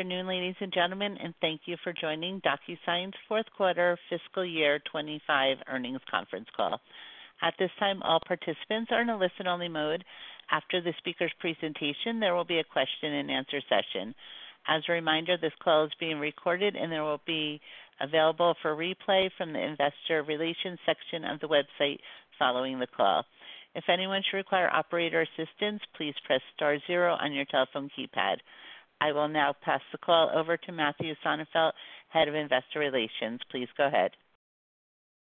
Afternoon, ladies and gentlemen, and thank you for joining DocuSign's Fourth Quarter Fiscal Year 2025 Earnings Conference Call. At this time, all participants are in a listen-only mode. After the speaker's presentation, there will be a question-and-answer session. As a reminder, this call is being recorded, and it will be available for replay from the Investor Relations section of the website following the call. If anyone should require operator assistance, please press star zero on your telephone keypad. I will now pass the call over to Matthew Sonefeldt, Head of Investor Relations. Please go ahead.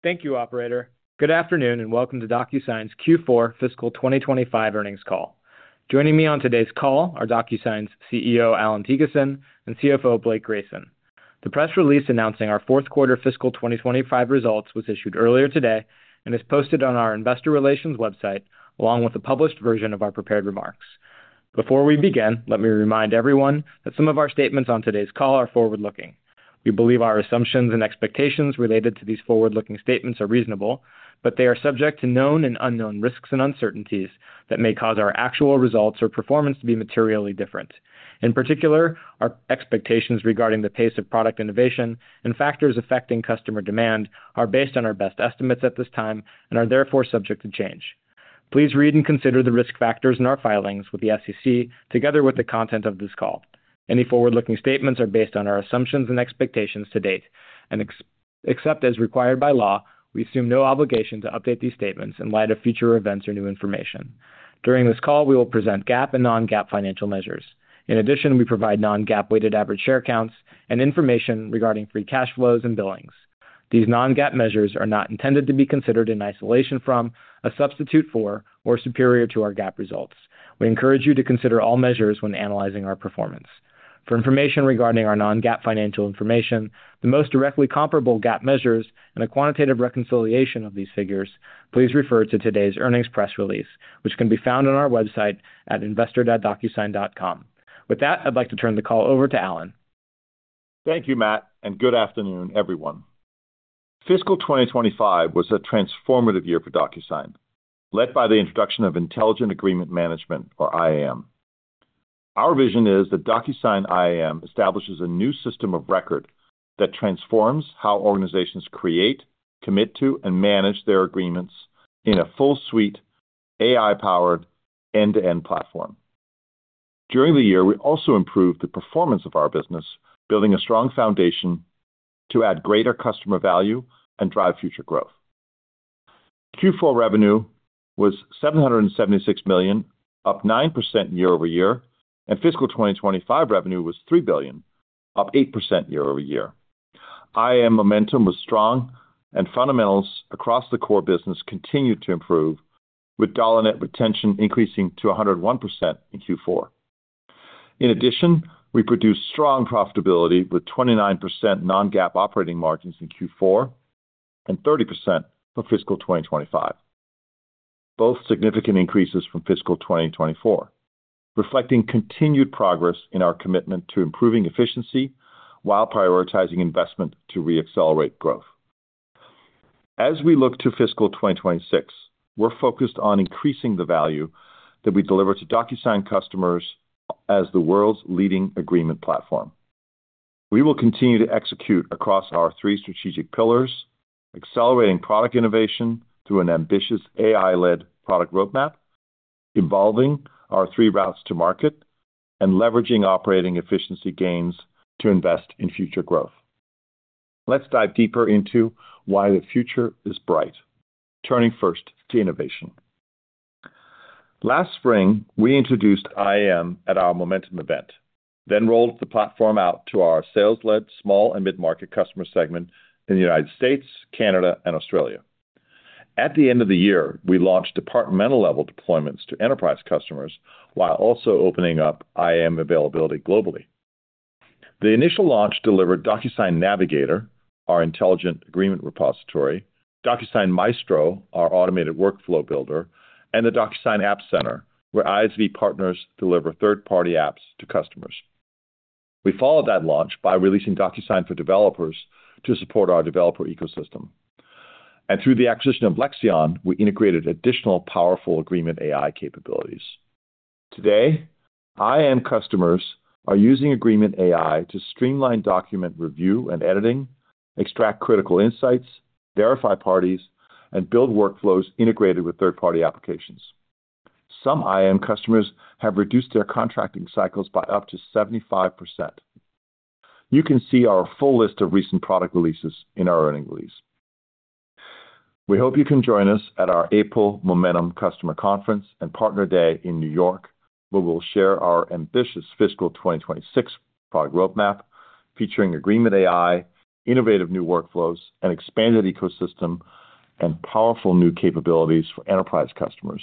Thank you, Operator. Good afternoon, and welcome to DocuSign's Q4 Fiscal 2025 Earnings Call. Joining me on today's call are DocuSign's CEO, Allan Thygesen, and CFO, Blake Grayson. The press release announcing our fourth quarter fiscal 2025 results was issued earlier today and is posted on our Investor Relations website along with a published version of our prepared remarks. Before we begin, let me remind everyone that some of our statements on today's call are forward-looking. We believe our assumptions and expectations related to these forward-looking statements are reasonable, but they are subject to known and unknown risks and uncertainties that may cause our actual results or performance to be materially different. In particular, our expectations regarding the pace of product innovation and factors affecting customer demand are based on our best estimates at this time and are therefore subject to change. Please read and consider the risk factors in our filings with the SEC together with the content of this call. Any forward-looking statements are based on our assumptions and expectations to date, and except as required by law, we assume no obligation to update these statements in light of future events or new information. During this call, we will present GAAP and non-GAAP financial measures. In addition, we provide non-GAAP weighted average share counts and information regarding free cash flows and billings. These non-GAAP measures are not intended to be considered in isolation from, a substitute for, or superior to our GAAP results. We encourage you to consider all measures when analyzing our performance. For information regarding our non-GAAP financial information, the most directly comparable GAAP measures, and a quantitative reconciliation of these figures, please refer to today's earnings press release, which can be found on our website at investor.docusign.com. With that, I'd like to turn the call over to Allan. Thank you, Matt, and good afternoon, everyone. Fiscal 2025 was a transformative year for DocuSign, led by the introduction of Intelligent Agreement Management, or IAM. Our vision is that DocuSign IAM establishes a new system of record that transforms how organizations create, commit to, and manage their agreements in a full-suite, AI-powered end-to-end platform. During the year, we also improved the performance of our business, building a strong foundation to add greater customer value and drive future growth. Q4 revenue was $776 million, up 9% year-over-year, and fiscal 2025 revenue was $3 billion, up 8% year-over-year. IAM momentum was strong, and fundamentals across the core business continued to improve, with dollar net retention increasing to 101% in Q4. In addition, we produced strong profitability with 29% non-GAAP operating margins in Q4 and 30% for fiscal 2025, both significant increases from fiscal 2024, reflecting continued progress in our commitment to improving efficiency while prioritizing investment to re-accelerate growth. As we look to fiscal 2026, we're focused on increasing the value that we deliver to DocuSign customers as the world's leading agreement platform. We will continue to execute across our three strategic pillars, accelerating product innovation through an ambitious AI-led product roadmap, evolving our three routes to market, and leveraging operating efficiency gains to invest in future growth. Let's dive deeper into why the future is bright, turning first to innovation. Last spring, we introduced IAM at our Momentum event, then rolled the platform out to our sales-led small and mid-market customer segment in the United States, Canada, and Australia. At the end of the year, we launched departmental-level deployments to enterprise customers while also opening up IAM availability globally. The initial launch delivered DocuSign Navigator, our intelligent agreement repository, DocuSign Maestro, our automated workflow builder, and the DocuSign App Center, where ISV partners deliver third-party apps to customers. We followed that launch by releasing DocuSign for Developers to support our developer ecosystem. Through the acquisition of Lexion, we integrated additional powerful agreement AI capabilities. Today, IAM customers are using agreement AI to streamline document review and editing, extract critical insights, verify parties, and build workflows integrated with third-party applications. Some IAM customers have reduced their contracting cycles by up to 75%. You can see our full list of recent product releases in our earnings release. We hope you can join us at our April Momentum Customer Conference and Partner Day in New York, where we'll share our ambitious fiscal 2026 product roadmap featuring agreement AI, innovative new workflows, an expanded ecosystem, and powerful new capabilities for enterprise customers,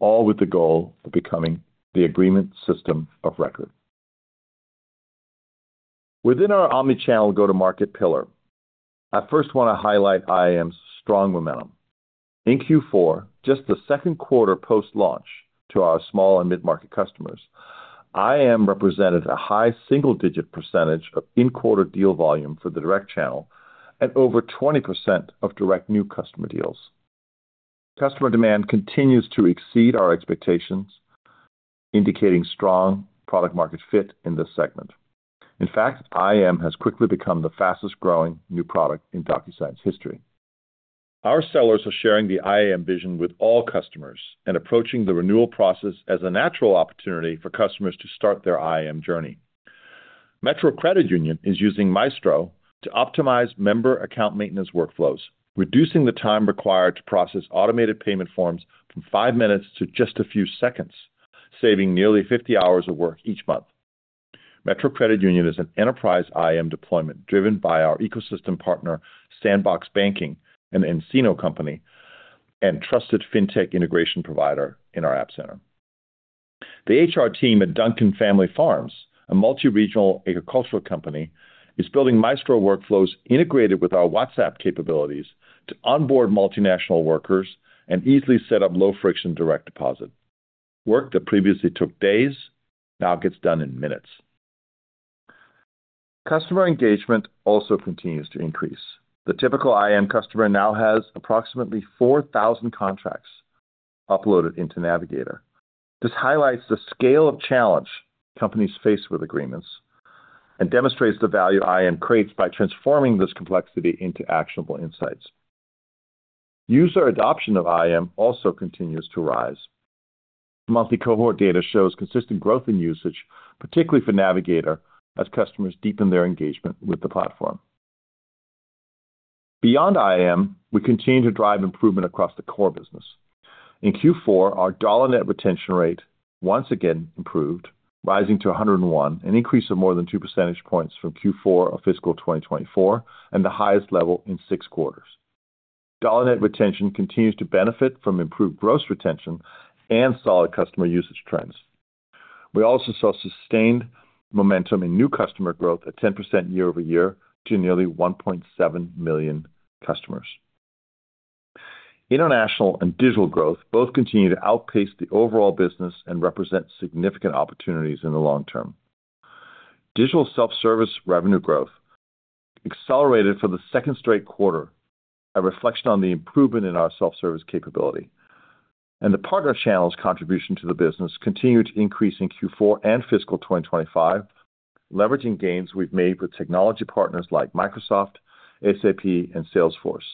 all with the goal of becoming the agreement system of record. Within our omnichannel go-to-market pillar, I first want to highlight IAM's strong momentum. In Q4, just the second quarter post-launch to our small and mid-market customers, IAM represented a high single-digit percentage of in-quarter deal volume for the direct channel and over 20% of direct new customer deals. Customer demand continues to exceed our expectations, indicating strong product-market fit in this segment. In fact, IAM has quickly become the fastest-growing new product in DocuSign's history. Our sellers are sharing the IAM vision with all customers and approaching the renewal process as a natural opportunity for customers to start their IAM journey. Metro Credit Union is using Maestro to optimize member account maintenance workflows, reducing the time required to process automated payment forms from five minutes to just a few seconds, saving nearly 50 hours of work each month. Metro Credit Union is an enterprise IAM deployment driven by our ecosystem partner, Sandbox Banking, an Encino company and trusted fintech integration provider in our app center. The HR team at Duncan Family Farms, a multi-regional agricultural company, is building Maestro workflows integrated with our WhatsApp capabilities to onboard multinational workers and easily set up low-friction direct deposit. Work that previously took days now gets done in minutes. Customer engagement also continues to increase. The typical IAM customer now has approximately 4,000 contracts uploaded into Navigator. This highlights the scale of challenge companies face with agreements and demonstrates the value IAM creates by transforming this complexity into actionable insights. User adoption of IAM also continues to rise. Monthly cohort data shows consistent growth in usage, particularly for Navigator, as customers deepen their engagement with the platform. Beyond IAM, we continue to drive improvement across the core business. In Q4, our dollar net retention rate once again improved, rising to 101, an increase of more than two percentage points from Q4 of fiscal 2024 and the highest level in six quarters. Dollar net retention continues to benefit from improved gross retention and solid customer usage trends. We also saw sustained momentum in new customer growth at 10% year-over-year to nearly 1.7 million customers. International and digital growth both continue to outpace the overall business and represent significant opportunities in the long term. Digital self-service revenue growth accelerated for the second straight quarter, a reflection on the improvement in our self-service capability. The partner channel's contribution to the business continued to increase in Q4 and fiscal 2025, leveraging gains we've made with technology partners like Microsoft, SAP, and Salesforce,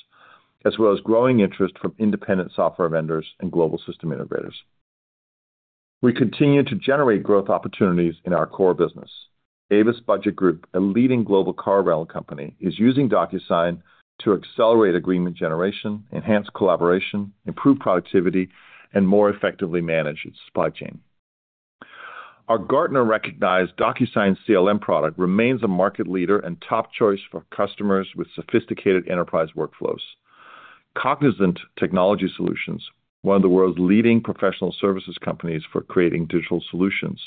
as well as growing interest from independent software vendors and global system integrators. We continue to generate growth opportunities in our core business. Avis Budget Group, a leading global car rental company, is using DocuSign to accelerate agreement generation, enhance collaboration, improve productivity, and more effectively manage its supply chain. Our Gartner-recognized DocuSign CLM product remains a market leader and top choice for customers with sophisticated enterprise workflows. Cognizant Technology Solutions, one of the world's leading professional services companies for creating digital solutions,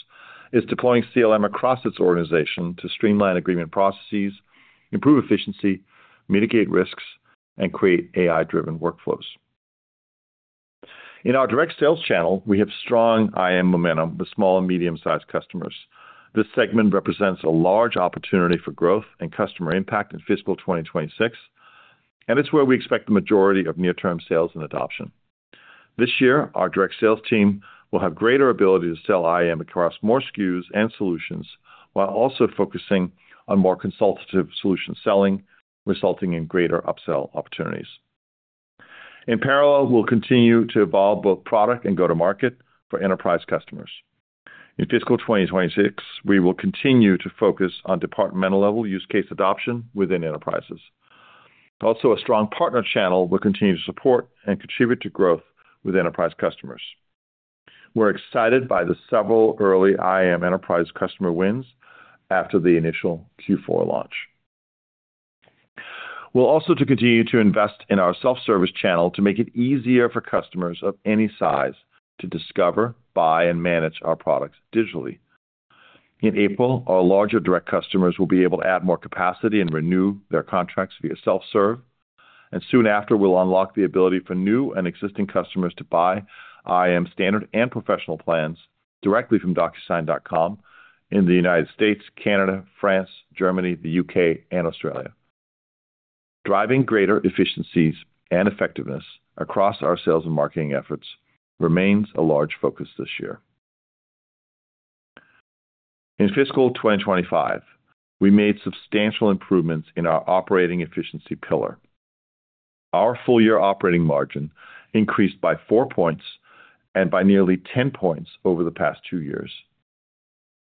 is deploying CLM across its organization to streamline agreement processes, improve efficiency, mitigate risks, and create AI-driven workflows. In our direct sales channel, we have strong IAM momentum with small and medium-sized customers. This segment represents a large opportunity for growth and customer impact in fiscal 2026, and it's where we expect the majority of near-term sales and adoption. This year, our direct sales team will have greater ability to sell IAM across more SKUs and solutions while also focusing on more consultative solution selling, resulting in greater upsell opportunities. In parallel, we'll continue to evolve both product and go-to-market for enterprise customers. In fiscal 2026, we will continue to focus on departmental-level use case adoption within enterprises. Also, a strong partner channel will continue to support and contribute to growth with enterprise customers. We're excited by the several early IAM enterprise customer wins after the initial Q4 launch. We'll also continue to invest in our self-service channel to make it easier for customers of any size to discover, buy, and manage our products digitally. In April, our larger direct customers will be able to add more capacity and renew their contracts via self-serve. Soon after, we'll unlock the ability for new and existing customers to buy IAM standard and professional plans directly from docusign.com in the U.S., Canada, France, Germany, the U.K., and Australia. Driving greater efficiencies and effectiveness across our sales and marketing efforts remains a large focus this year. In fiscal 2025, we made substantial improvements in our operating efficiency pillar. Our full-year operating margin increased by four percentage points and by nearly 10 percentage points over the past two years.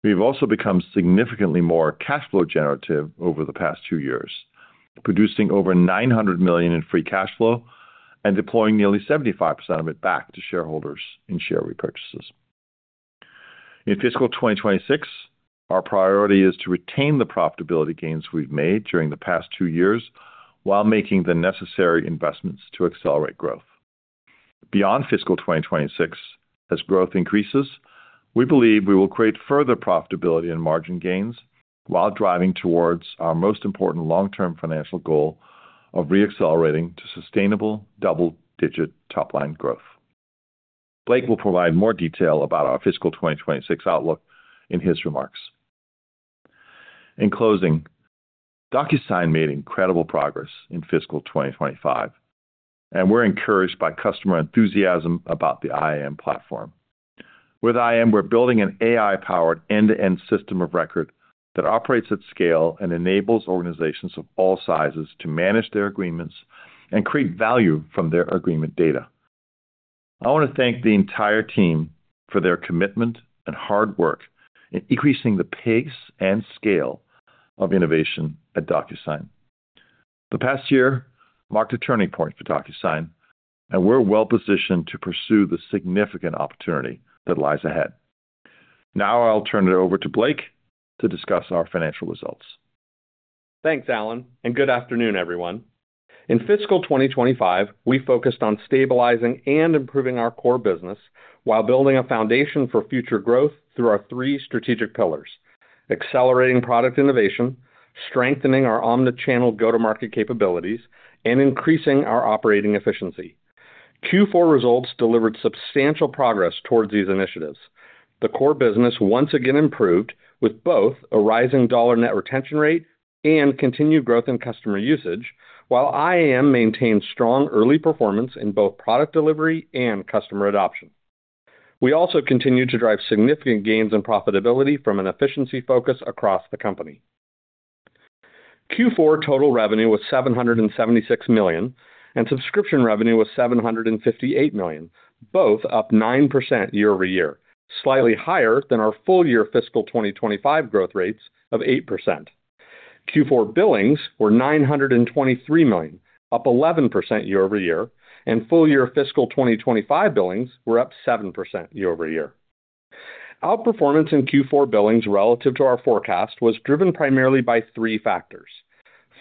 We have also become significantly more cash flow generative over the past two years, producing over $900 million in free cash flow and deploying nearly 75% of it back to shareholders in share repurchases. In fiscal 2026, our priority is to retain the profitability gains we've made during the past two years while making the necessary investments to accelerate growth. Beyond fiscal 2026, as growth increases, we believe we will create further profitability and margin gains while driving towards our most important long-term financial goal of re-accelerating to sustainable double-digit top-line growth. Blake will provide more detail about our fiscal 2026 outlook in his remarks. In closing, DocuSign made incredible progress in fiscal 2025, and we're encouraged by customer enthusiasm about the IAM platform. With IAM, we're building an AI-powered end-to-end system of record that operates at scale and enables organizations of all sizes to manage their agreements and create value from their agreement data. I want to thank the entire team for their commitment and hard work in increasing the pace and scale of innovation at DocuSign. The past year marked a turning point for DocuSign, and we're well-positioned to pursue the significant opportunity that lies ahead. Now I'll turn it over to Blake to discuss our financial results. Thanks, Allan, and good afternoon, everyone. In fiscal 2025, we focused on stabilizing and improving our core business while building a foundation for future growth through our three strategic pillars: accelerating product innovation, strengthening our omnichannel go-to-market capabilities, and increasing our operating efficiency. Q4 results delivered substantial progress towards these initiatives. The core business once again improved with both a rising dollar net retention rate and continued growth in customer usage, while IAM maintained strong early performance in both product delivery and customer adoption. We also continued to drive significant gains in profitability from an efficiency focus across the company. Q4 total revenue was $776 million, and subscription revenue was $758 million, both up 9% year-over-year, slightly higher than our full-year fiscal 2025 growth rates of 8%. Q4 billings were $923 million, up 11% year-over-year, and full-year fiscal 2025 billings were up 7% year-over-year. Outperformance in Q4 billings relative to our forecast was driven primarily by three factors.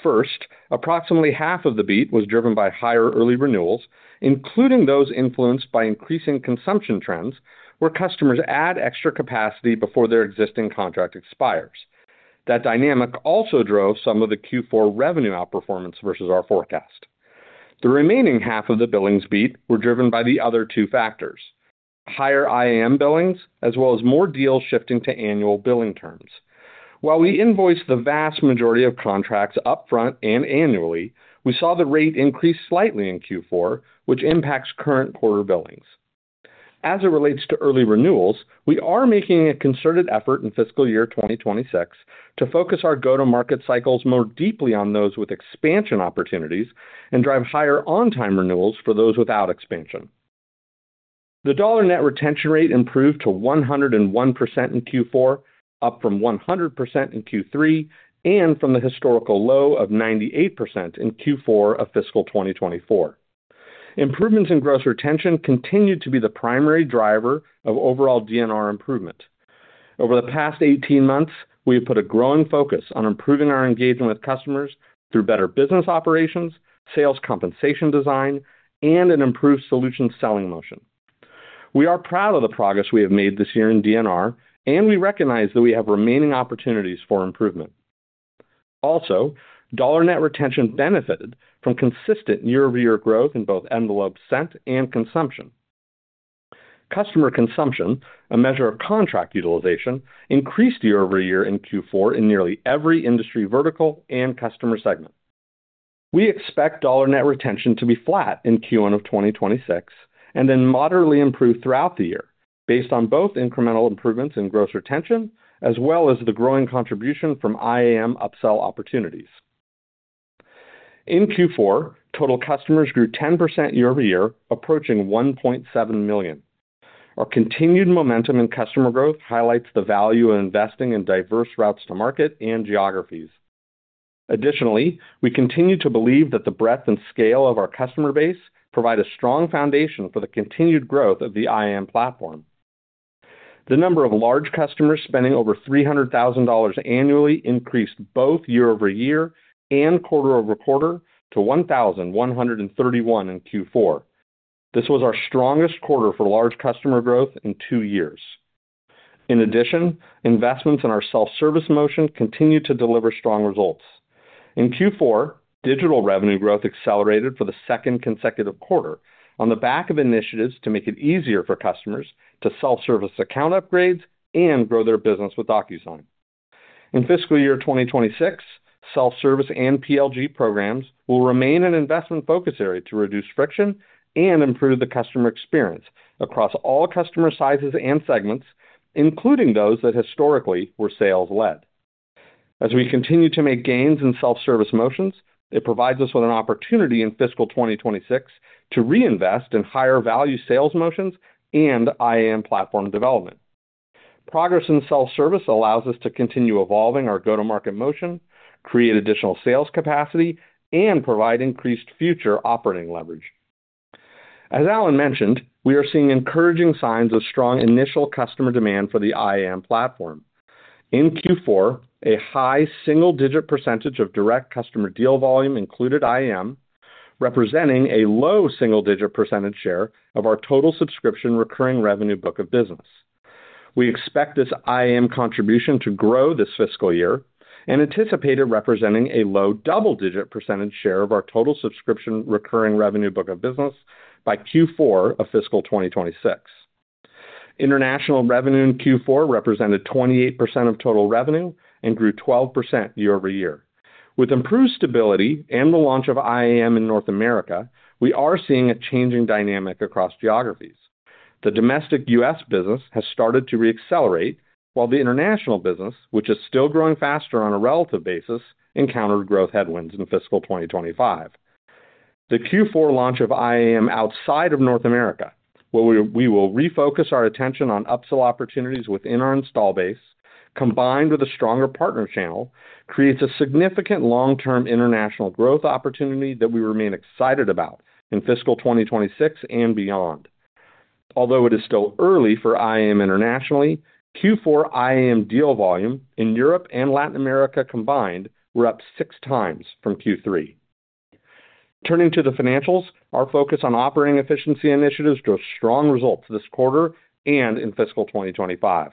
First, approximately half of the beat was driven by higher early renewals, including those influenced by increasing consumption trends where customers add extra capacity before their existing contract expires. That dynamic also drove some of the Q4 revenue outperformance versus our forecast. The remaining half of the billings beat were driven by the other two factors: higher IAM billings, as well as more deals shifting to annual billing terms. While we invoiced the vast majority of contracts upfront and annually, we saw the rate increase slightly in Q4, which impacts current quarter billings. As it relates to early renewals, we are making a concerted effort in fiscal year 2026 to focus our go-to-market cycles more deeply on those with expansion opportunities and drive higher on-time renewals for those without expansion. The dollar net retention rate improved to 101% in Q4, up from 100% in Q3, and from the historical low of 98% in Q4 of fiscal 2024. Improvements in gross retention continued to be the primary driver of overall DNR improvement. Over the past 18 months, we have put a growing focus on improving our engagement with customers through better business operations, sales compensation design, and an improved solution selling motion. We are proud of the progress we have made this year in DNR, and we recognize that we have remaining opportunities for improvement. Also, dollar net retention benefited from consistent year-over-year growth in both envelopes sent and consumption. Customer consumption, a measure of contract utilization, increased year-over-year in Q4 in nearly every industry vertical and customer segment. We expect dollar net retention to be flat in Q1 of 2026 and then moderately improve throughout the year based on both incremental improvements in gross retention as well as the growing contribution from IAM upsell opportunities. In Q4, total customers grew 10% year-over-year, approaching 1.7 million. Our continued momentum in customer growth highlights the value of investing in diverse routes to market and geographies. Additionally, we continue to believe that the breadth and scale of our customer base provide a strong foundation for the continued growth of the IAM platform. The number of large customers spending over $300,000 annually increased both year-over-year and quarter-over-quarter to 1,131 in Q4. This was our strongest quarter for large customer growth in two years. In addition, investments in our self-service motion continue to deliver strong results. In Q4, digital revenue growth accelerated for the second consecutive quarter on the back of initiatives to make it easier for customers to self-service account upgrades and grow their business with DocuSign. In fiscal year 2026, self-service and PLG programs will remain an investment focus area to reduce friction and improve the customer experience across all customer sizes and segments, including those that historically were sales-led. As we continue to make gains in self-service motions, it provides us with an opportunity in fiscal 2026 to reinvest in higher-value sales motions and IAM platform development. Progress in self-service allows us to continue evolving our go-to-market motion, create additional sales capacity, and provide increased future operating leverage. As Allan mentioned, we are seeing encouraging signs of strong initial customer demand for the IAM platform. In Q4, a high single-digit percentage of direct customer deal volume included IAM, representing a low single-digit percentage share of our total subscription recurring revenue book of business. We expect this IAM contribution to grow this fiscal year and anticipate it representing a low double-digit % share of our total subscription recurring revenue book of business by Q4 of fiscal 2026. International revenue in Q4 represented 28% of total revenue and grew 12% year-over-year. With improved stability and the launch of IAM in North America, we are seeing a changing dynamic across geographies. The domestic U.S. business has started to re-accelerate, while the international business, which is still growing faster on a relative basis, encountered growth headwinds in fiscal 2025. The Q4 launch of IAM outside of North America, where we will refocus our attention on upsell opportunities within our install base, combined with a stronger partner channel, creates a significant long-term international growth opportunity that we remain excited about in fiscal 2026 and beyond. Although it is still early for IAM internationally, Q4 IAM deal volume in Europe and Latin America combined were up six times from Q3. Turning to the financials, our focus on operating efficiency initiatives drove strong results this quarter and in fiscal 2025.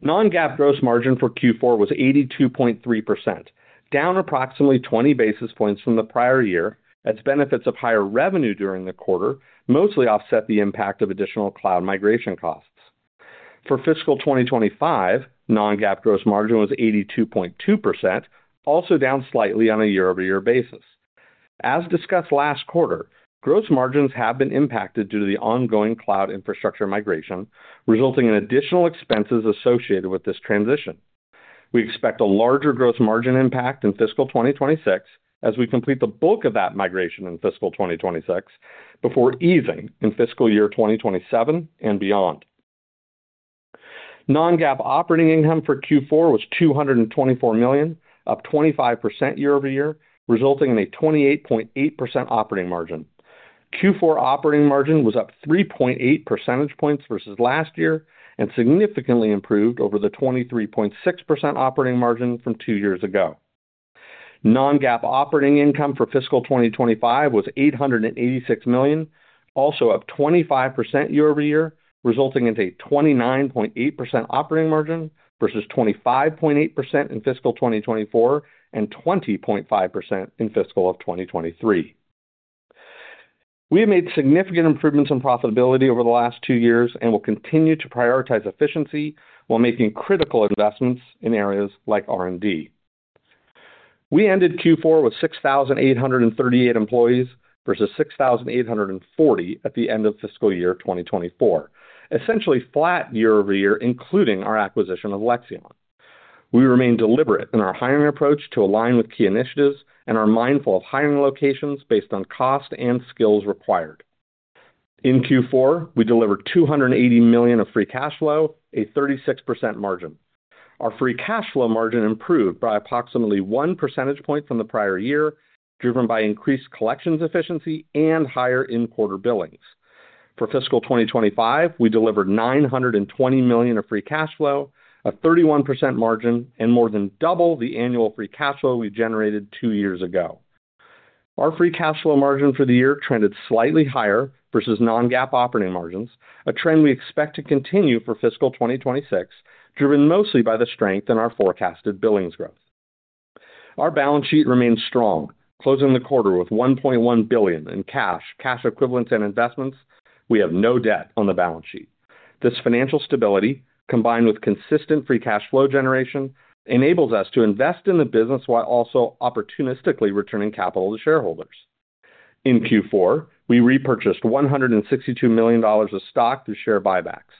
Non-GAAP gross margin for Q4 was 82.3%, down approximately 20 basis points from the prior year, as benefits of higher revenue during the quarter mostly offset the impact of additional cloud migration costs. For fiscal 2025, non-GAAP gross margin was 82.2%, also down slightly on a year-over-year basis. As discussed last quarter, gross margins have been impacted due to the ongoing cloud infrastructure migration, resulting in additional expenses associated with this transition. We expect a larger gross margin impact in fiscal 2026 as we complete the bulk of that migration in fiscal 2026 before easing in fiscal year 2027 and beyond. Non-GAAP operating income for Q4 was $224 million, up 25% year-over-year, resulting in a 28.8% operating margin. Q4 operating margin was up 3.8 percentage points versus last year and significantly improved over the 23.6% operating margin from two years ago. Non-GAAP operating income for fiscal 2025 was $886 million, also up 25% year-over-year, resulting in a 29.8% operating margin versus 25.8% in fiscal 2024 and 20.5% in fiscal 2023. We have made significant improvements in profitability over the last two years and will continue to prioritize efficiency while making critical investments in areas like R&D. We ended Q4 with 6,838 employees versus 6,840 at the end of fiscal year 2024, essentially flat year-over-year, including our acquisition of Lexion. We remain deliberate in our hiring approach to align with key initiatives and are mindful of hiring locations based on cost and skills required. In Q4, we delivered $280 million of free cash flow, a 36% margin. Our free cash flow margin improved by approximately one percentage point from the prior year, driven by increased collections efficiency and higher in-quarter billings. For fiscal 2025, we delivered $920 million of free cash flow, a 31% margin, and more than double the annual free cash flow we generated two years ago. Our free cash flow margin for the year trended slightly higher versus non-GAAP operating margins, a trend we expect to continue for fiscal 2026, driven mostly by the strength in our forecasted billings growth. Our balance sheet remains strong, closing the quarter with $1.1 billion in cash, cash equivalents, and investments. We have no debt on the balance sheet. This financial stability, combined with consistent free cash flow generation, enables us to invest in the business while also opportunistically returning capital to shareholders. In Q4, we repurchased $162 million of stock through share buybacks.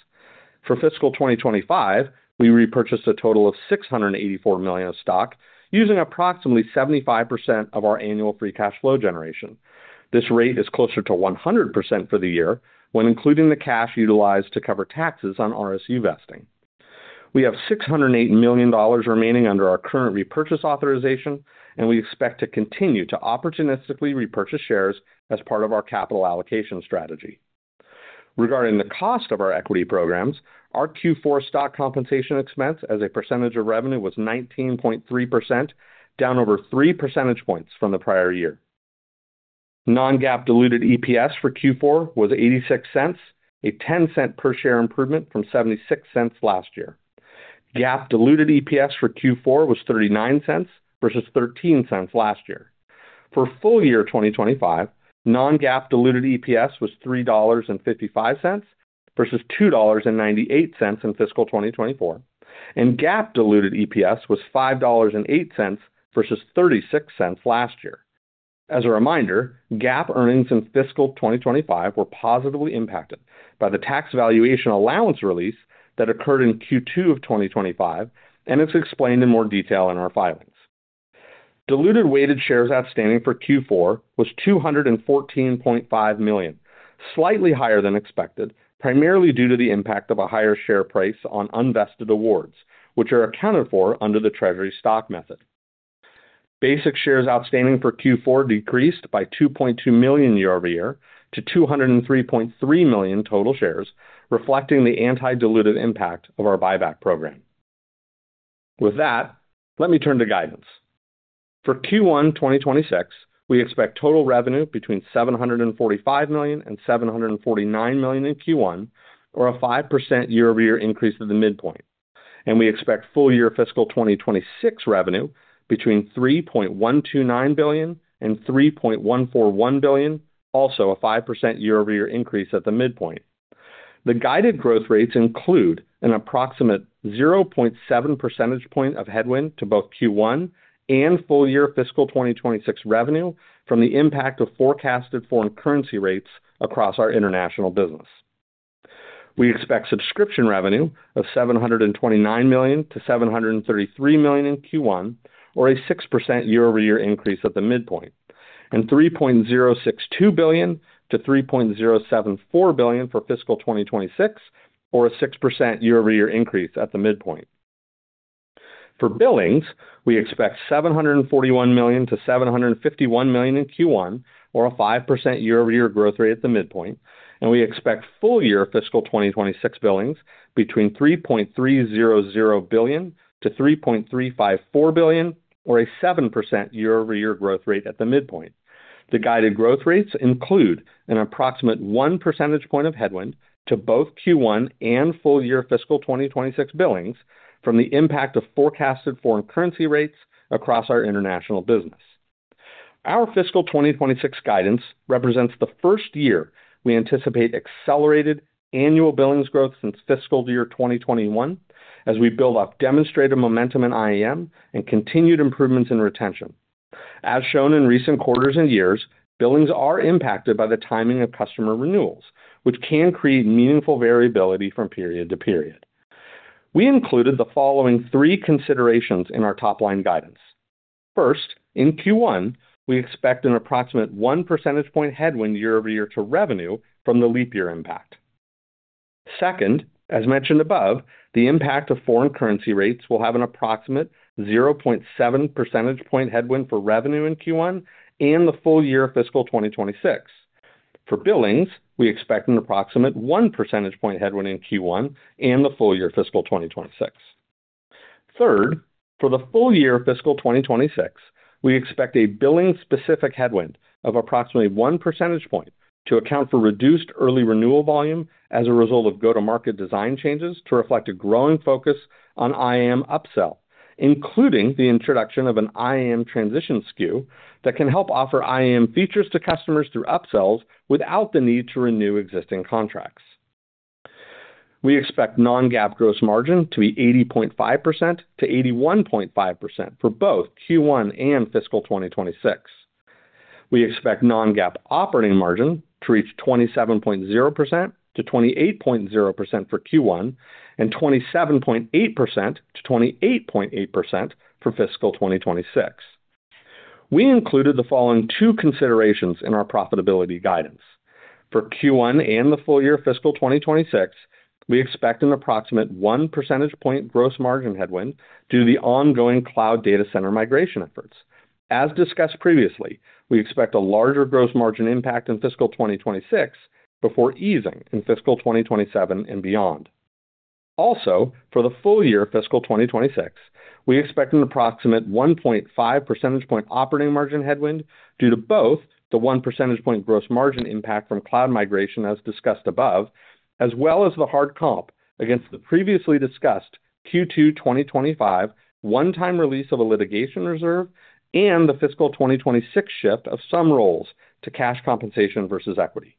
For fiscal 2025, we repurchased a total of $684 million of stock, using approximately 75% of our annual free cash flow generation. This rate is closer to 100% for the year when including the cash utilized to cover taxes on RSU vesting. We have $608 million remaining under our current repurchase authorization, and we expect to continue to opportunistically repurchase shares as part of our capital allocation strategy. Regarding the cost of our equity programs, our Q4 stock compensation expense as a percentage of revenue was 19.3%, down over three percentage points from the prior year. Non-GAAP diluted EPS for Q4 was $0.86, a $0.10 per share improvement from $0.76 last year. GAAP diluted EPS for Q4 was $0.39 versus $0.13 last year. For full year 2025, non-GAAP diluted EPS was $3.55 versus $2.98 in fiscal 2024, and GAAP diluted EPS was $5.08 versus $0.36 last year. As a reminder, GAAP earnings in fiscal 2025 were positively impacted by the tax valuation allowance release that occurred in Q2 of 2025, and it's explained in more detail in our filings. Diluted weighted shares outstanding for Q4 was 214.5 million, slightly higher than expected, primarily due to the impact of a higher share price on unvested awards, which are accounted for under the Treasury stock method. Basic shares outstanding for Q4 decreased by 2.2 million year-over-year to 203.3 million total shares, reflecting the anti-dilutive impact of our buyback program. With that, let me turn to guidance. For Q1 2026, we expect total revenue between $745 million and $749 million in Q1, or a 5% year-over-year increase at the midpoint. We expect full year fiscal 2026 revenue between $3.129 billion and $3.141 billion, also a 5% year-over-year increase at the midpoint. The guided growth rates include an approximate 0.7 percentage point of headwind to both Q1 and full year fiscal 2026 revenue from the impact of forecasted foreign currency rates across our international business. We expect subscription revenue of $729 million-$733 million in Q1, or a 6% year-over-year increase at the midpoint, and $3.062 billion-$3.074 billion for fiscal 2026, or a 6% year-over-year increase at the midpoint. For billings, we expect $741 million-$751 million in Q1, or a 5% year-over-year growth rate at the midpoint, and we expect full year fiscal 2026 billings between $3.300 billion and $3.354 billion, or a 7% year-over-year growth rate at the midpoint. The guided growth rates include an approximate 1 percentage point of headwind to both Q1 and full year fiscal 2026 billings from the impact of forecasted foreign currency rates across our international business. Our fiscal 2026 guidance represents the first year we anticipate accelerated annual billings growth since fiscal year 2021, as we build up demonstrated momentum in IAM and continued improvements in retention. As shown in recent quarters and years, billings are impacted by the timing of customer renewals, which can create meaningful variability from period to period. We included the following three considerations in our top-line guidance. First, in Q1, we expect an approximate 1 percentage point headwind year-over-year to revenue from the leap year impact. Second, as mentioned above, the impact of foreign currency rates will have an approximate 0.7 percentage point headwind for revenue in Q1 and the full year fiscal 2026. For billings, we expect an approximate 1 percentage point headwind in Q1 and the full year fiscal 2026. Third, for the full year fiscal 2026, we expect a billing-specific headwind of approximately 1 percentage point to account for reduced early renewal volume as a result of go-to-market design changes to reflect a growing focus on IAM upsell, including the introduction of an IAM transition SKU that can help offer IAM features to customers through upsells without the need to renew existing contracts. We expect non-GAAP gross margin to be 80.5%-81.5% for both Q1 and fiscal 2026. We expect non-GAAP operating margin to reach 27.0%-28.0% for Q1 and 27.8%-28.8% for fiscal 2026. We included the following two considerations in our profitability guidance. For Q1 and the full year fiscal 2026, we expect an approximate 1 percentage point gross margin headwind due to the ongoing cloud data center migration efforts. As discussed previously, we expect a larger gross margin impact in fiscal 2026 before easing in fiscal 2027 and beyond. Also, for the full year fiscal 2026, we expect an approximate 1.5 percentage point operating margin headwind due to both the 1 percentage point gross margin impact from cloud migration as discussed above, as well as the hard comp against the previously discussed Q2 2025 one-time release of a litigation reserve and the fiscal 2026 shift of some roles to cash compensation versus equity.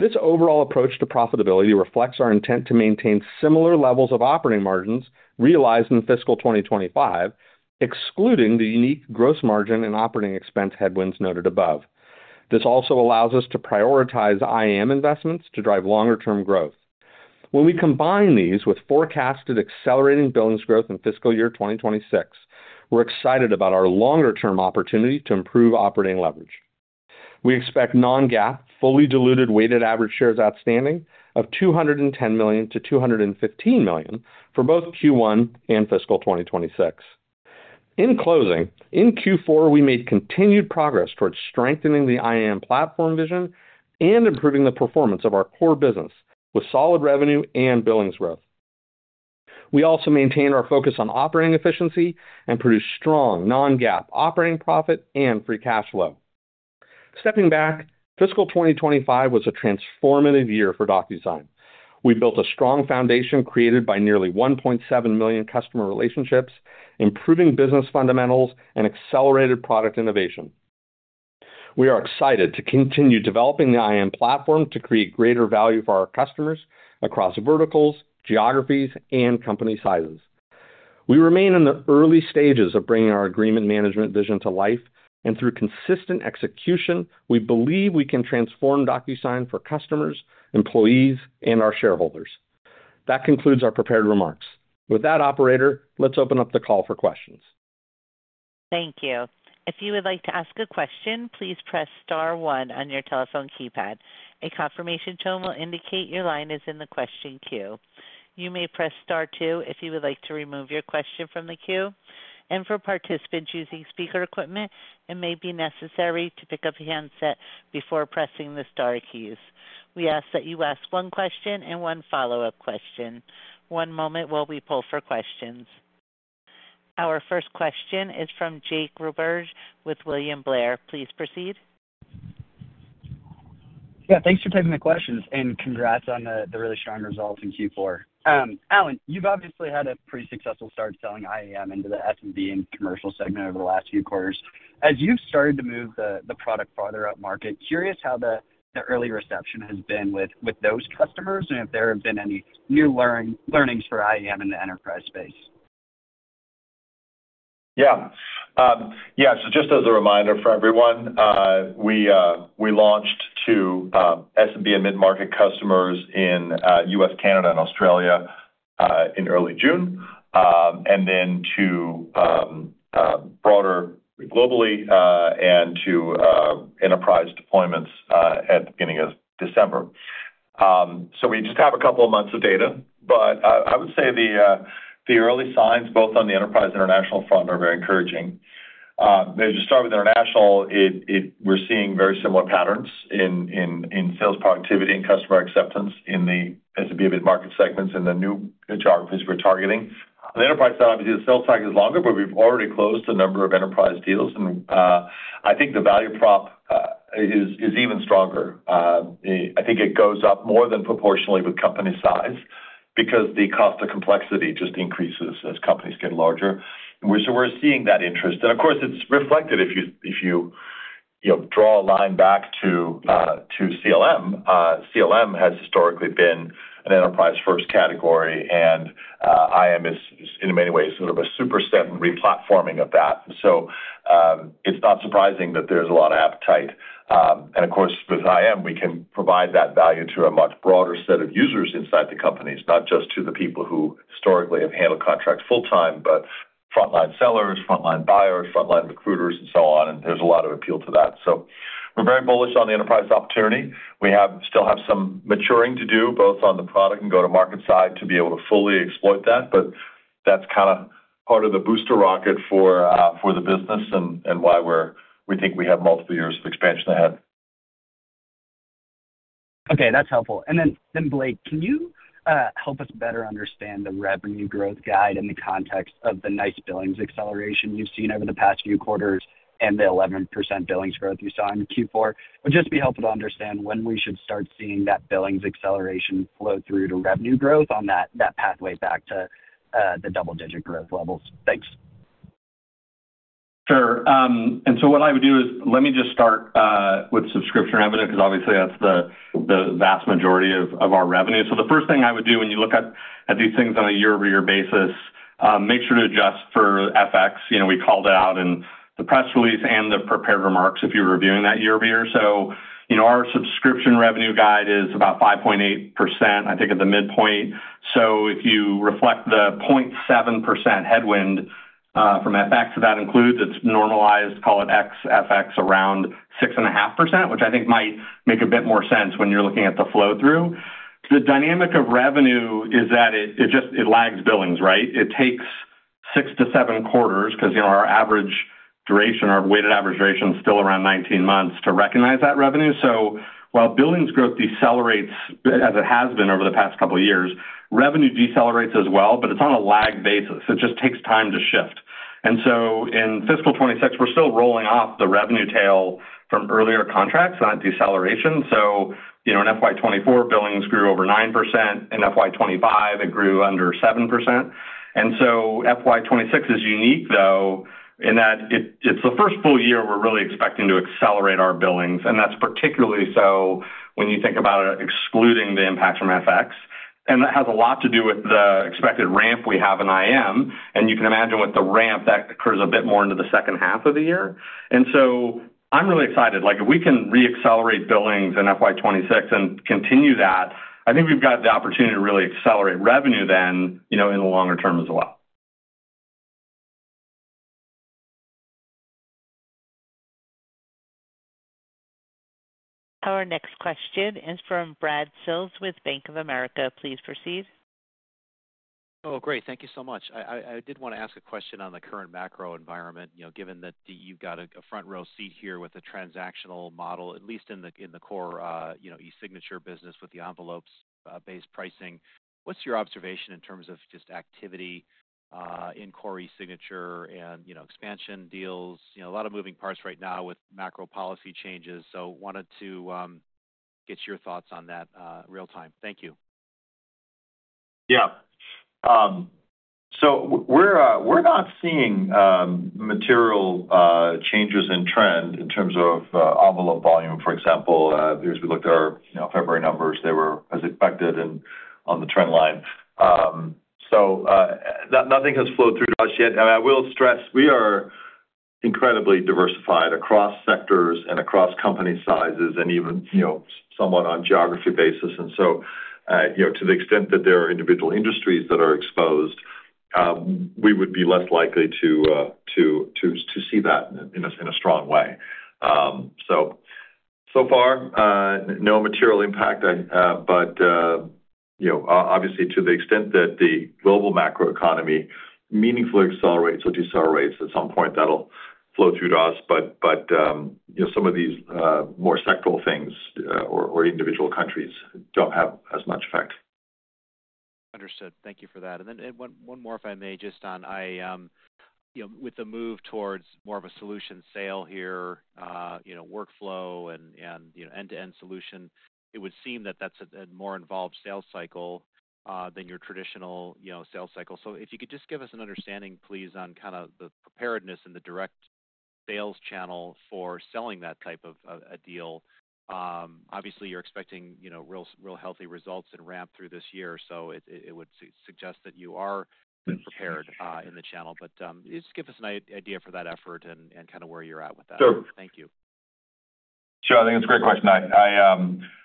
This overall approach to profitability reflects our intent to maintain similar levels of operating margins realized in fiscal 2025, excluding the unique gross margin and operating expense headwinds noted above. This also allows us to prioritize IAM investments to drive longer-term growth. When we combine these with forecasted accelerating billings growth in fiscal year 2026, we're excited about our longer-term opportunity to improve operating leverage. We expect non-GAAP fully diluted weighted average shares outstanding of 210 million-215 million for both Q1 and fiscal 2026. In closing, in Q4, we made continued progress towards strengthening the IAM platform vision and improving the performance of our core business with solid revenue and billings growth. We also maintain our focus on operating efficiency and produce strong non-GAAP operating profit and free cash flow. Stepping back, fiscal 2025 was a transformative year for DocuSign. We built a strong foundation created by nearly 1.7 million customer relationships, improving business fundamentals and accelerated product innovation. We are excited to continue developing the IAM platform to create greater value for our customers across verticals, geographies, and company sizes. We remain in the early stages of bringing our agreement management vision to life, and through consistent execution, we believe we can transform DocuSign for customers, employees, and our shareholders. That concludes our prepared remarks. With that, Operator, let's open up the call for questions. Thank you. If you would like to ask a question, please press star one on your telephone keypad. A confirmation tone will indicate your line is in the question queue. You may press star two if you would like to remove your question from the queue. For participants using speaker equipment, it may be necessary to pick up a handset before pressing the star keys. We ask that you ask one question and one follow-up question. One moment while we pull for questions. Our first question is from Jake Roberge with William Blair. Please proceed. Yeah, thanks for taking the questions and congrats on the really strong results in Q4. Allan, you've obviously had a pretty successful start selling IAM into the S&B and commercial segment over the last few quarters. As you've started to move the product farther up market, curious how the early reception has been with those customers and if there have been any new learnings for IAM in the enterprise space. Yeah. Yeah, just as a reminder for everyone, we launched to S&B and mid-market customers in the US, Canada, and Australia in early June, and then to broader globally and to enterprise deployments at the beginning of December. We just have a couple of months of data, but I would say the early signs both on the enterprise international front are very encouraging. As you start with international, we're seeing very similar patterns in sales productivity and customer acceptance in the S&B and mid-market segments and the new geographies we're targeting. On the enterprise side, obviously, the sales cycle is longer, but we've already closed a number of enterprise deals, and I think the value prop is even stronger. I think it goes up more than proportionally with company size because the cost of complexity just increases as companies get larger. We're seeing that interest. Of course, it's reflected if you draw a line back to CLM. CLM has historically been an enterprise-first category, and IAM is, in many ways, sort of a superset and replatforming of that. It's not surprising that there's a lot of appetite. Of course, with IAM, we can provide that value to a much broader set of users inside the companies, not just to the people who historically have handled contracts full-time, but frontline sellers, frontline buyers, frontline recruiters, and so on. There's a lot of appeal to that. We're very bullish on the enterprise opportunity. We still have some maturing to do both on the product and go-to-market side to be able to fully exploit that, but that's kind of part of the booster rocket for the business and why we think we have multiple years of expansion ahead. Okay, that's helpful. And then, Blake, can you help us better understand the revenue growth guide in the context of the nice billings acceleration you've seen over the past few quarters and the 11% billings growth you saw in Q4? Would just be helpful to understand when we should start seeing that billings acceleration flow through to revenue growth on that pathway back to the double-digit growth levels. Thanks. Sure. What I would do is let me just start with subscription revenue because obviously that's the vast majority of our revenue. The first thing I would do when you look at these things on a year-over-year basis, make sure to adjust for FX. We called it out in the press release and the prepared remarks if you're reviewing that year-over-year. Our subscription revenue guide is about 5.8%, I think, at the midpoint. If you reflect the 0.7% headwind from FX, that includes its normalized, call it ex-FX, around 6.5%, which I think might make a bit more sense when you're looking at the flow-through. The dynamic of revenue is that it lags billings, right? It takes six to seven quarters because our average duration, our weighted average duration, is still around 19 months to recognize that revenue. While billings growth decelerates, as it has been over the past couple of years, revenue decelerates as well, but it's on a lag basis. It just takes time to shift. In fiscal 2026, we're still rolling off the revenue tail from earlier contracts, not deceleration. In fiscal 2024, billings grew over 9%. In fiscal 2025, it grew under 7%. Fiscal 2026 is unique, though, in that it's the first full year we're really expecting to accelerate our billings. That is particularly so when you think about excluding the impacts from FX. That has a lot to do with the expected ramp we have in IAM. You can imagine with the ramp, that occurs a bit more into the second half of the year. I am really excited. If we can re-accelerate billings in FY2026 and continue that, I think we have the opportunity to really accelerate revenue then in the longer term as well. Our next question is from Brad Sills with Bank of America. Please proceed. Oh, great. Thank you so much. I did want to ask a question on the current macro environment. Given that you have a front-row seat here with a transactional model, at least in the core eSignature business with the envelopes-based pricing, what is your observation in terms of just activity in core eSignature and expansion deals? A lot of moving parts right now with macro policy changes. So wanted to get your thoughts on that real-time. Thank you. Yeah. We're not seeing material changes in trend in terms of envelope volume. For example, as we looked at our February numbers, they were as expected and on the trend line. Nothing has flowed through to us yet. I will stress we are incredibly diversified across sectors and across company sizes and even somewhat on a geography basis. To the extent that there are individual industries that are exposed, we would be less likely to see that in a strong way. So far, no material impact, but obviously, to the extent that the global macro economy meaningfully accelerates or decelerates, at some point, that'll flow through to us. Some of these more sectoral things or individual countries do not have as much effect. Understood. Thank you for that. And then one more, if I may, just on IAM. With the move towards more of a solution sale here, workflow and end-to-end solution, it would seem that that's a more involved sales cycle than your traditional sales cycle. If you could just give us an understanding, please, on kind of the preparedness and the direct sales channel for selling that type of a deal. Obviously, you're expecting real healthy results and ramp through this year. It would suggest that you are prepared in the channel. Just give us an idea for that effort and kind of where you're at with that. Thank you. Sure. I think it's a great question.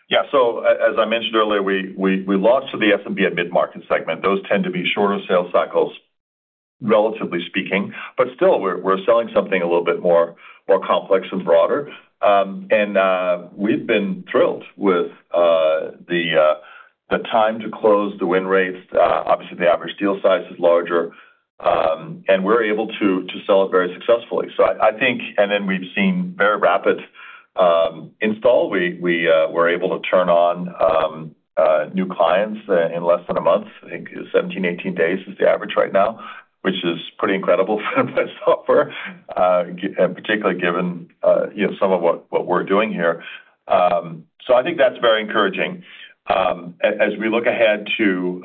Yeah. As I mentioned earlier, we launched to the S&B and mid-market segment. Those tend to be shorter sales cycles, relatively speaking. We're selling something a little bit more complex and broader. We've been thrilled with the time to close, the win rates. Obviously, the average deal size is larger. We're able to sell it very successfully. I think we've seen very rapid install. We were able to turn on new clients in less than a month. I think 17, 18 days is the average right now, which is pretty incredible for software, particularly given some of what we're doing here. I think that's very encouraging. As we look ahead to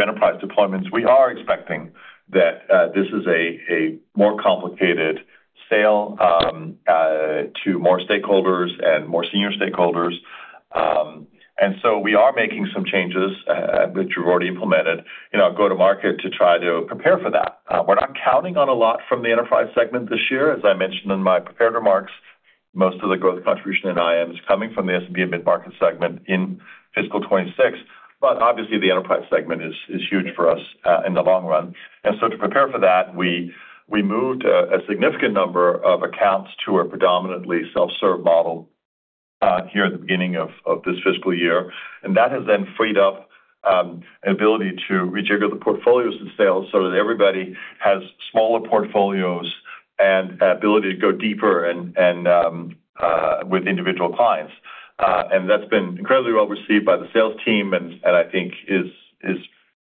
enterprise deployments, we are expecting that this is a more complicated sale to more stakeholders and more senior stakeholders. We are making some changes that you've already implemented in our go-to-market to try to prepare for that. We're not counting on a lot from the enterprise segment this year. As I mentioned in my prepared remarks, most of the growth contribution in IAM is coming from the S&B and mid-market segment in fiscal 2026. Obviously, the enterprise segment is huge for us in the long run. To prepare for that, we moved a significant number of accounts to a predominantly self-serve model here at the beginning of this fiscal year. That has then freed up the ability to rejigger the portfolios and sales so that everybody has smaller portfolios and ability to go deeper with individual clients. That has been incredibly well received by the sales team and I think is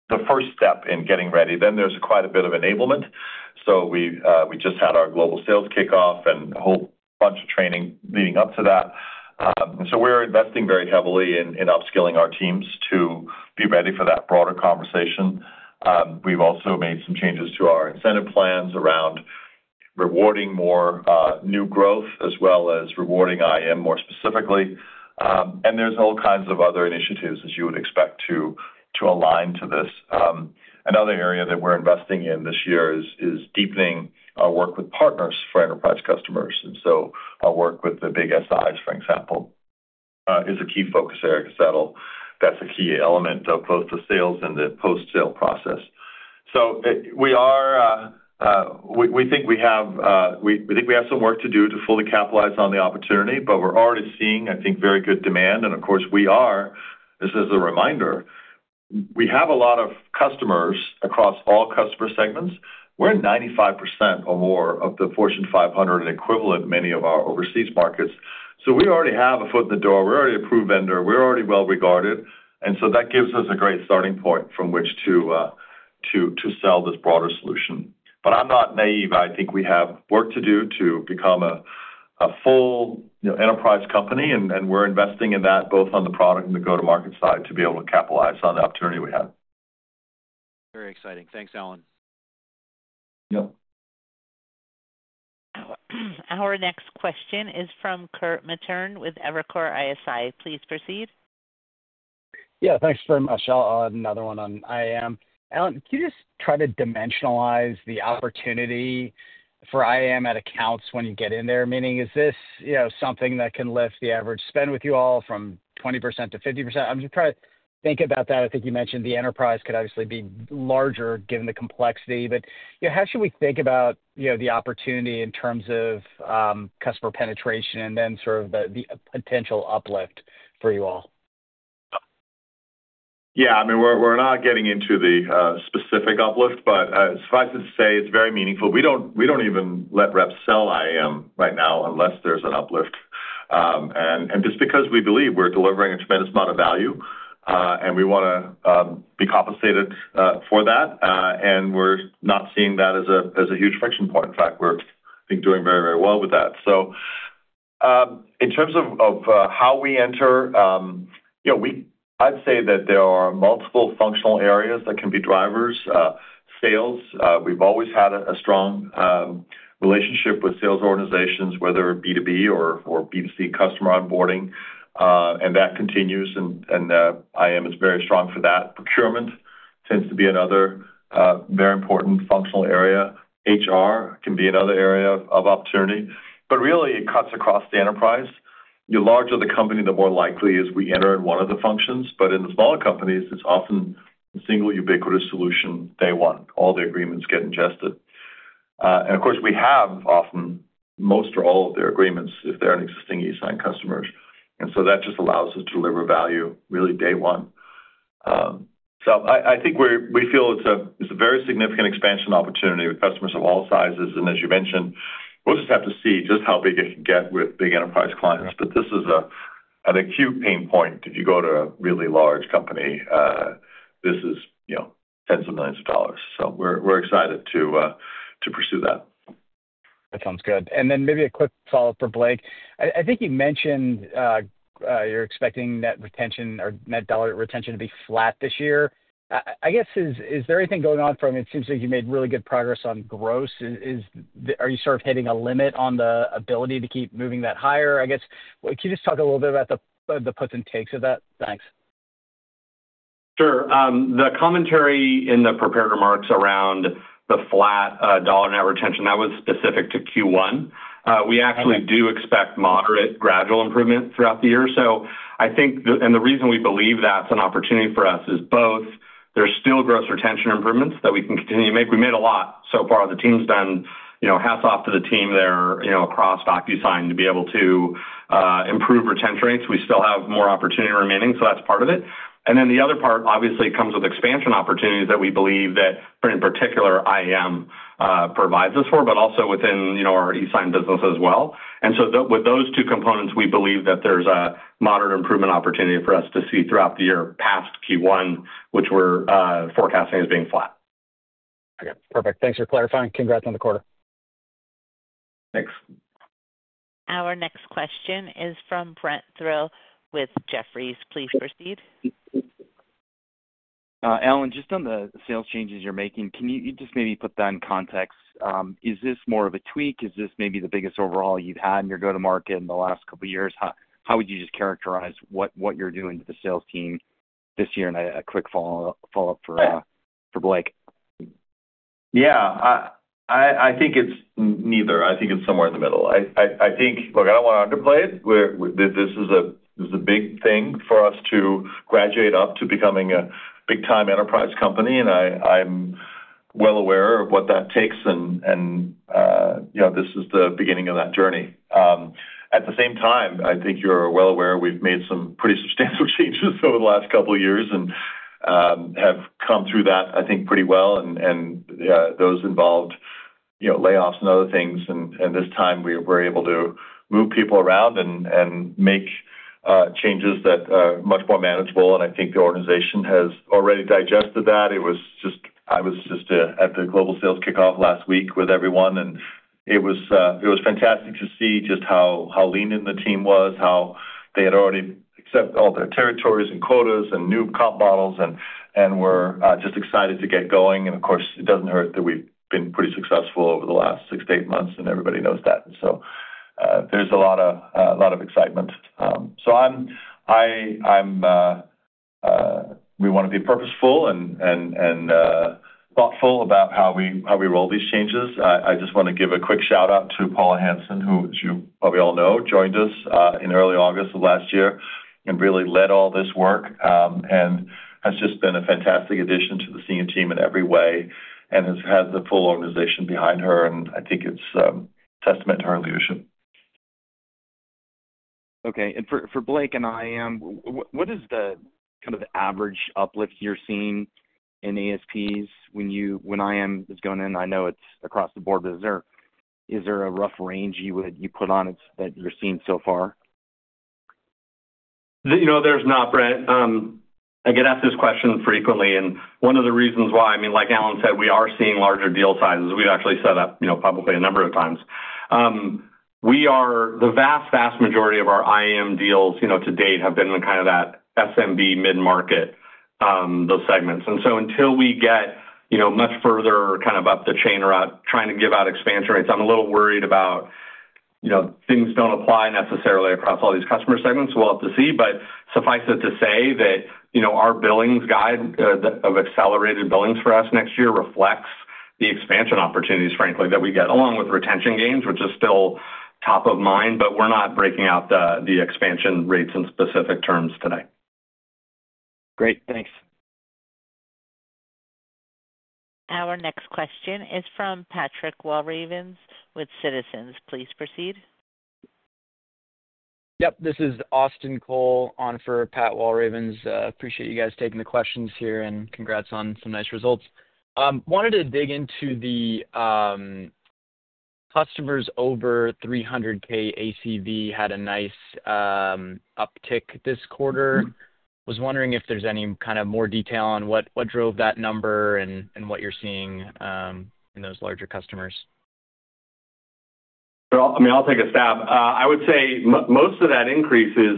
the first step in getting ready. There is quite a bit of enablement. We just had our global sales kickoff and a whole bunch of training leading up to that. We're investing very heavily in upskilling our teams to be ready for that broader conversation. We've also made some changes to our incentive plans around rewarding more new growth as well as rewarding IAM more specifically. There are all kinds of other initiatives, as you would expect, to align to this. Another area that we're investing in this year is deepening our work with partners for enterprise customers. Our work with the big SIs, for example, is a key focus area to settle. That's a key element of both the sales and the post-sale process. We think we have some work to do to fully capitalize on the opportunity, but we're already seeing, I think, very good demand. Of course, this is a reminder, we have a lot of customers across all customer segments. We're 95% or more of the Fortune 500 and equivalent, many of our overseas markets. We already have a foot in the door. We're already a proven vendor. We're already well regarded. That gives us a great starting point from which to sell this broader solution. I'm not naive. I think we have work to do to become a full enterprise company. We're investing in that both on the product and the go-to-market side to be able to capitalize on the opportunity we have. Very exciting. Thanks, Allan. Yep. Our next question is from Kirk Materne with Evercore ISI. Please proceed. Yeah, thanks very much. I'll add another one on IAM. Allan, can you just try to dimensionalize the opportunity for IAM at accounts when you get in there? Meaning, is this something that can lift the average spend with you all from 20% to 50%? I'm just trying to think about that. I think you mentioned the enterprise could obviously be larger given the complexity. How should we think about the opportunity in terms of customer penetration and then sort of the potential uplift for you all? Yeah. I mean, we're not getting into the specific uplift, but suffice it to say, it's very meaningful. We don't even let reps sell IAM right now unless there's an uplift. Just because we believe we're delivering a tremendous amount of value, and we want to be compensated for that, and we're not seeing that as a huge friction point. In fact, we're, I think, doing very, very well with that. In terms of how we enter, I'd say that there are multiple functional areas that can be drivers. Sales, we've always had a strong relationship with sales organizations, whether B2B or B2C customer onboarding. That continues. IAM is very strong for that. Procurement tends to be another very important functional area. HR can be another area of opportunity. Really, it cuts across the enterprise. The larger the company, the more likely it is we enter in one of the functions. In the smaller companies, it's often a single ubiquitous solution day one. All the agreements get ingested. Of course, we have often most or all of their agreements if they're an existing e-sign customer. That just allows us to deliver value really day one. I think we feel it's a very significant expansion opportunity with customers of all sizes. As you mentioned, we'll just have to see just how big it can get with big enterprise clients. This is an acute pain point. If you go to a really large company, this is tens of millions of dollars. We're excited to pursue that. That sounds good. Maybe a quick follow-up for Blake. I think you mentioned you're expecting net retention or net dollar retention to be flat this year. Is there anything going on from it seems like you made really good progress on gross. Are you sort of hitting a limit on the ability to keep moving that higher? Can you just talk a little bit about the puts and takes of that? Thanks. Sure. The commentary in the prepared remarks around the flat dollar net retention, that was specific to Q1. We actually do expect moderate gradual improvement throughout the year. I think, and the reason we believe that's an opportunity for us is both there's still gross retention improvements that we can continue to make. We made a lot so far. The team's done, hats off to the team there across DocuSign to be able to improve retention rates. We still have more opportunity remaining. That's part of it. The other part obviously comes with expansion opportunities that we believe that, in particular, IAM provides us for, but also within our e-sign business as well. With those two components, we believe that there's a moderate improvement opportunity for us to see throughout the year past Q1, which we're forecasting as being flat. Okay. Perfect. Thanks for clarifying. Congrats on the quarter. Thanks. Our next question is from Brent Thill with Jefferies. Please proceed. Allan, just on the sales changes you're making, can you just maybe put that in context? Is this more of a tweak? Is this maybe the biggest overhaul you've had in your go-to-market in the last couple of years? How would you just characterize what you're doing to the sales team this year? A quick follow-up for Blake. Yeah. I think it's neither. I think it's somewhere in the middle. Look, I don't want to underplay it. This is a big thing for us to graduate up to becoming a big-time enterprise company. I'm well aware of what that takes. This is the beginning of that journey. At the same time, I think you're well aware we've made some pretty substantial changes over the last couple of years and have come through that, I think, pretty well. Those involved layoffs and other things. At this time, we were able to move people around and make changes that are much more manageable. I think the organization has already digested that. I was just at the global sales kickoff last week with everyone. It was fantastic to see just how lean in the team was, how they had already accepted all their territories and quotas and new comp models and were just excited to get going. Of course, it does not hurt that we have been pretty successful over the last six to eight months. Everybody knows that. There is a lot of excitement. We want to be purposeful and thoughtful about how we roll these changes. I just want to give a quick shout-out to Paula Hanson, who as you probably all know, joined us in early August of last year and really led all this work. She has just been a fantastic addition to the senior team in every way and has had the full organization behind her. I think it is a testament to her leadership. Okay. For Blake and IAM, what is the kind of average uplift you are seeing in ASPs when IAM is going in? I know it is across the board. Is there a rough range you put on that you are seeing so far? There is not, Brent. I get asked this question frequently. One of the reasons why, I mean, like Allan said, we are seeing larger deal sizes. We have actually said that publicly a number of times. The vast, vast majority of our IAM deals to date have been in kind of that SMB mid-market, those segments. Until we get much further kind of up the chain or trying to give out expansion rates, I'm a little worried about things don't apply necessarily across all these customer segments. We'll have to see. Suffice it to say that our billings guide of accelerated billings for us next year reflects the expansion opportunities, frankly, that we get, along with retention gains, which is still top of mind. We're not breaking out the expansion rates in specific terms today. Great. Thanks. Our next question is from Patrick Walravens with Citizens. Please proceed. Yep. This is Austin Cole on for Pat Walravens. Appreciate you guys taking the questions here and congrats on some nice results. Wanted to dig into the customers over $300,000 ACV had a nice uptick this quarter. Was wondering if there's any kind of more detail on what drove that number and what you're seeing in those larger customers. I mean, I'll take a stab. I would say most of that increase is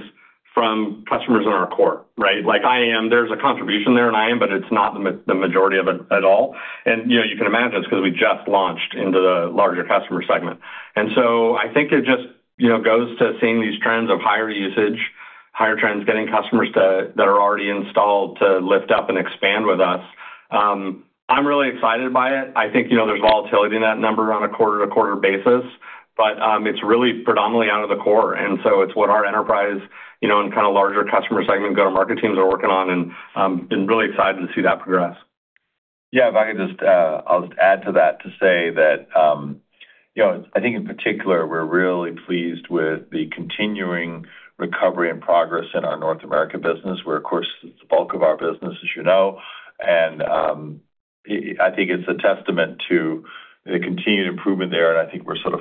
from customers in our core, right? Like IAM, there's a contribution there in IAM, but it's not the majority of it at all. You can imagine it's because we just launched into the larger customer segment. I think it just goes to seeing these trends of higher usage, higher trends getting customers that are already installed to lift up and expand with us. I'm really excited by it. I think there's volatility in that number on a quarter-to-quarter basis. It's really predominantly out of the core. It's what our enterprise and kind of larger customer segment go-to-market teams are working on. I've been really excited to see that progress. I'll just add to that to say that I think in particular, we're really pleased with the continuing recovery and progress in our North America business, where, of course, it's the bulk of our business, as you know. I think it's a testament to the continued improvement there. I think we're sort of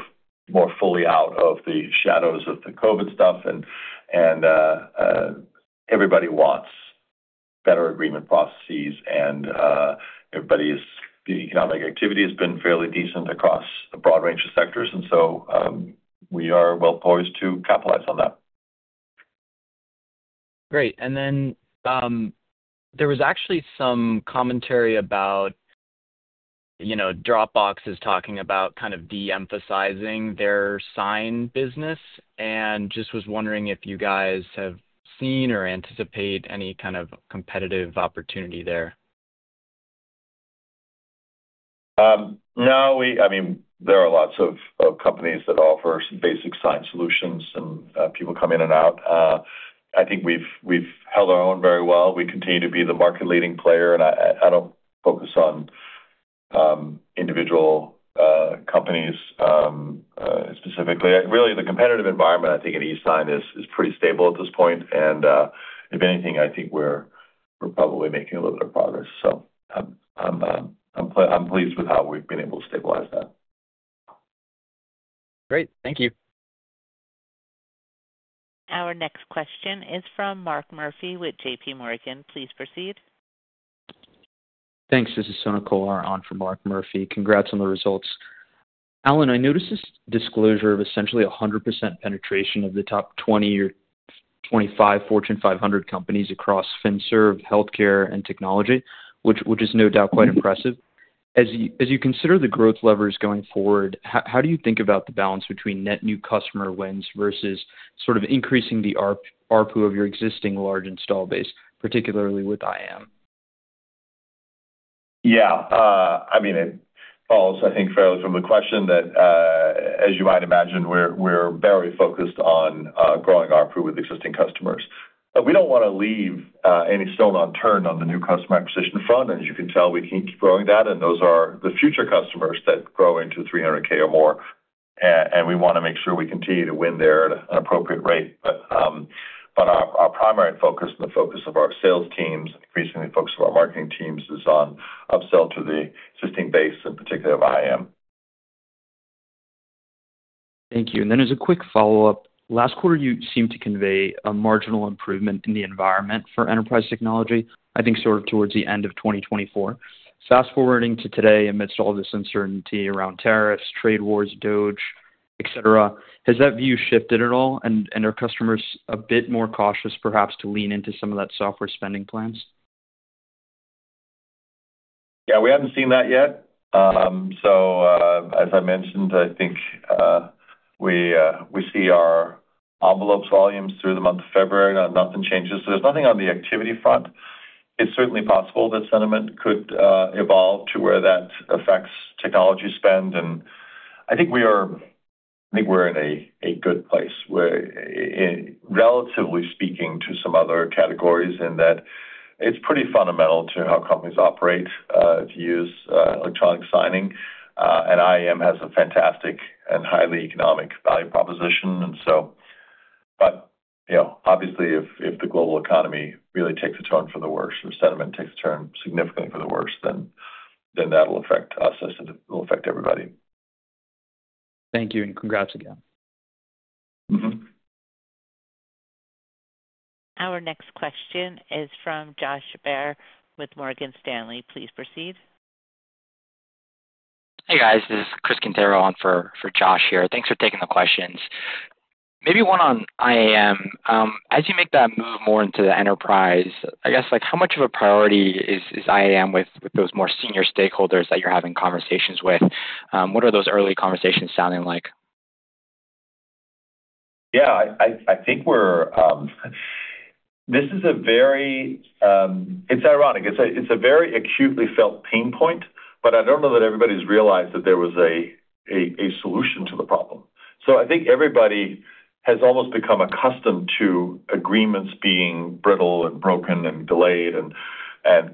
more fully out of the shadows of the COVID stuff. Everybody wants better agreement processes. The economic activity has been fairly decent across a broad range of sectors. We are well poised to capitalize on that. Great. There was actually some commentary about Dropbox is talking about kind of de-emphasizing their sign business. I was wondering if you guys have seen or anticipate any kind of competitive opportunity there. No. I mean, there are lots of companies that offer some basic sign solutions and people come in and out. I think we've held our own very well. We continue to be the market-leading player. I don't focus on individual companies specifically. Really, the competitive environment, I think, in e-sign is pretty stable at this point. If anything, I think we're probably making a little bit of progress. I'm pleased with how we've been able to stabilize that. Great. Thank you. Our next question is from Mark Murphy with JPMorgan. Please proceed. Thanks. This is Sonak Kolar on for Mark Murphy. Congrats on the results. Allan, I noticed this disclosure of essentially 100% penetration of the top 20 or 25 Fortune 500 companies across Finserv, healthcare, and technology, which is no doubt quite impressive. As you consider the growth levers going forward, how do you think about the balance between net new customer wins versus sort of increasing the ARPU of your existing large install base, particularly with IAM? Yeah. I mean, it falls, I think, fairly from the question that, as you might imagine, we're very focused on growing ARPU with existing customers. We don't want to leave any stone unturned on the new customer acquisition front. As you can tell, we keep growing that. Those are the future customers that grow into $300,000 or more. We want to make sure we continue to win there at an appropriate rate. Our primary focus and the focus of our sales teams, increasingly the focus of our marketing teams, is on upsell to the existing base in particular of IAM. Thank you. Then as a quick follow-up, last quarter, you seemed to convey a marginal improvement in the environment for enterprise technology, I think sort of towards the end of 2024. Fast forwarding to today, amidst all this uncertainty around tariffs, trade wars, DOGE, etc., has that view shifted at all? Are customers a bit more cautious, perhaps, to lean into some of that software spending plans? Yeah. We have not seen that yet. As I mentioned, I think we see our envelope volumes through the month of February. Nothing changes. There is nothing on the activity front. It is certainly possible that sentiment could evolve to where that affects technology spend. I think we are in a good place, relatively speaking, to some other categories in that it is pretty fundamental to how companies operate to use electronic signing. IAM has a fantastic and highly economic value proposition. Obviously, if the global economy really takes a turn for the worse or sentiment takes a turn significantly for the worse, that will affect us. It will affect everybody. Thank you. Congrats again. Our next question is from Josh Baer with Morgan Stanley. Please proceed. Hey, guys. This is [Chris Cantara] on for Josh here. Thanks for taking the questions. Maybe one on IAM. As you make that move more into the enterprise, I guess, how much of a priority is IAM with those more senior stakeholders that you're having conversations with? What are those early conversations sounding like? Yeah. I think this is a very—it's ironic. It's a very acutely felt pain point. I do not know that everybody's realized that there was a solution to the problem. I think everybody has almost become accustomed to agreements being brittle and broken and delayed and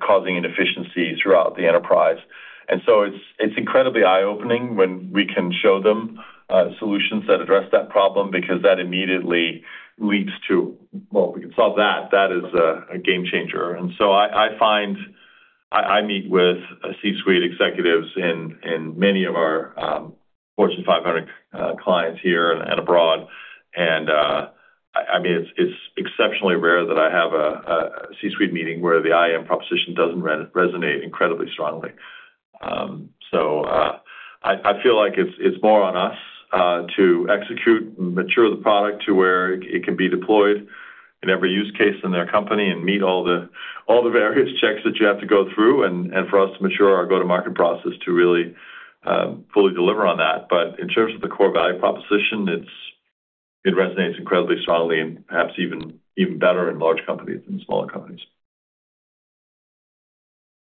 causing inefficiencies throughout the enterprise. It's incredibly eye-opening when we can show them solutions that address that problem because that immediately leads to, "Well, we can solve that." That is a game changer. I meet with C-suite executives in many of our Fortune 500 clients here and abroad. I mean, it's exceptionally rare that I have a C-suite meeting where the IAM proposition doesn't resonate incredibly strongly. I feel like it's more on us to execute and mature the product to where it can be deployed in every use case in their company and meet all the various checks that you have to go through and for us to mature our go-to-market process to really fully deliver on that. In terms of the core value proposition, it resonates incredibly strongly and perhaps even better in large companies than smaller companies.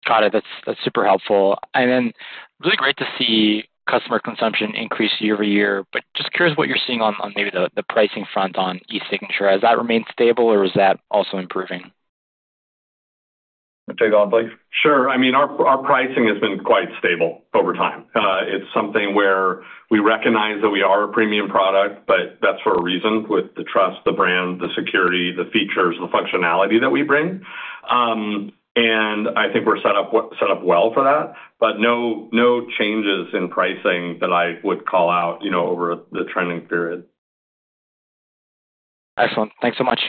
Got it. That's super helpful. Really great to see customer consumption increase year over year. Just curious what you're seeing on maybe the pricing front on eSignature. Has that remained stable, or is that also improving? Take it on, Blake. Sure. I mean, our pricing has been quite stable over time. It's something where we recognize that we are a premium product, but that's for a reason with the trust, the brand, the security, the features, the functionality that we bring. I think we're set up well for that. No changes in pricing that I would call out over the trending period. Excellent. Thanks so much.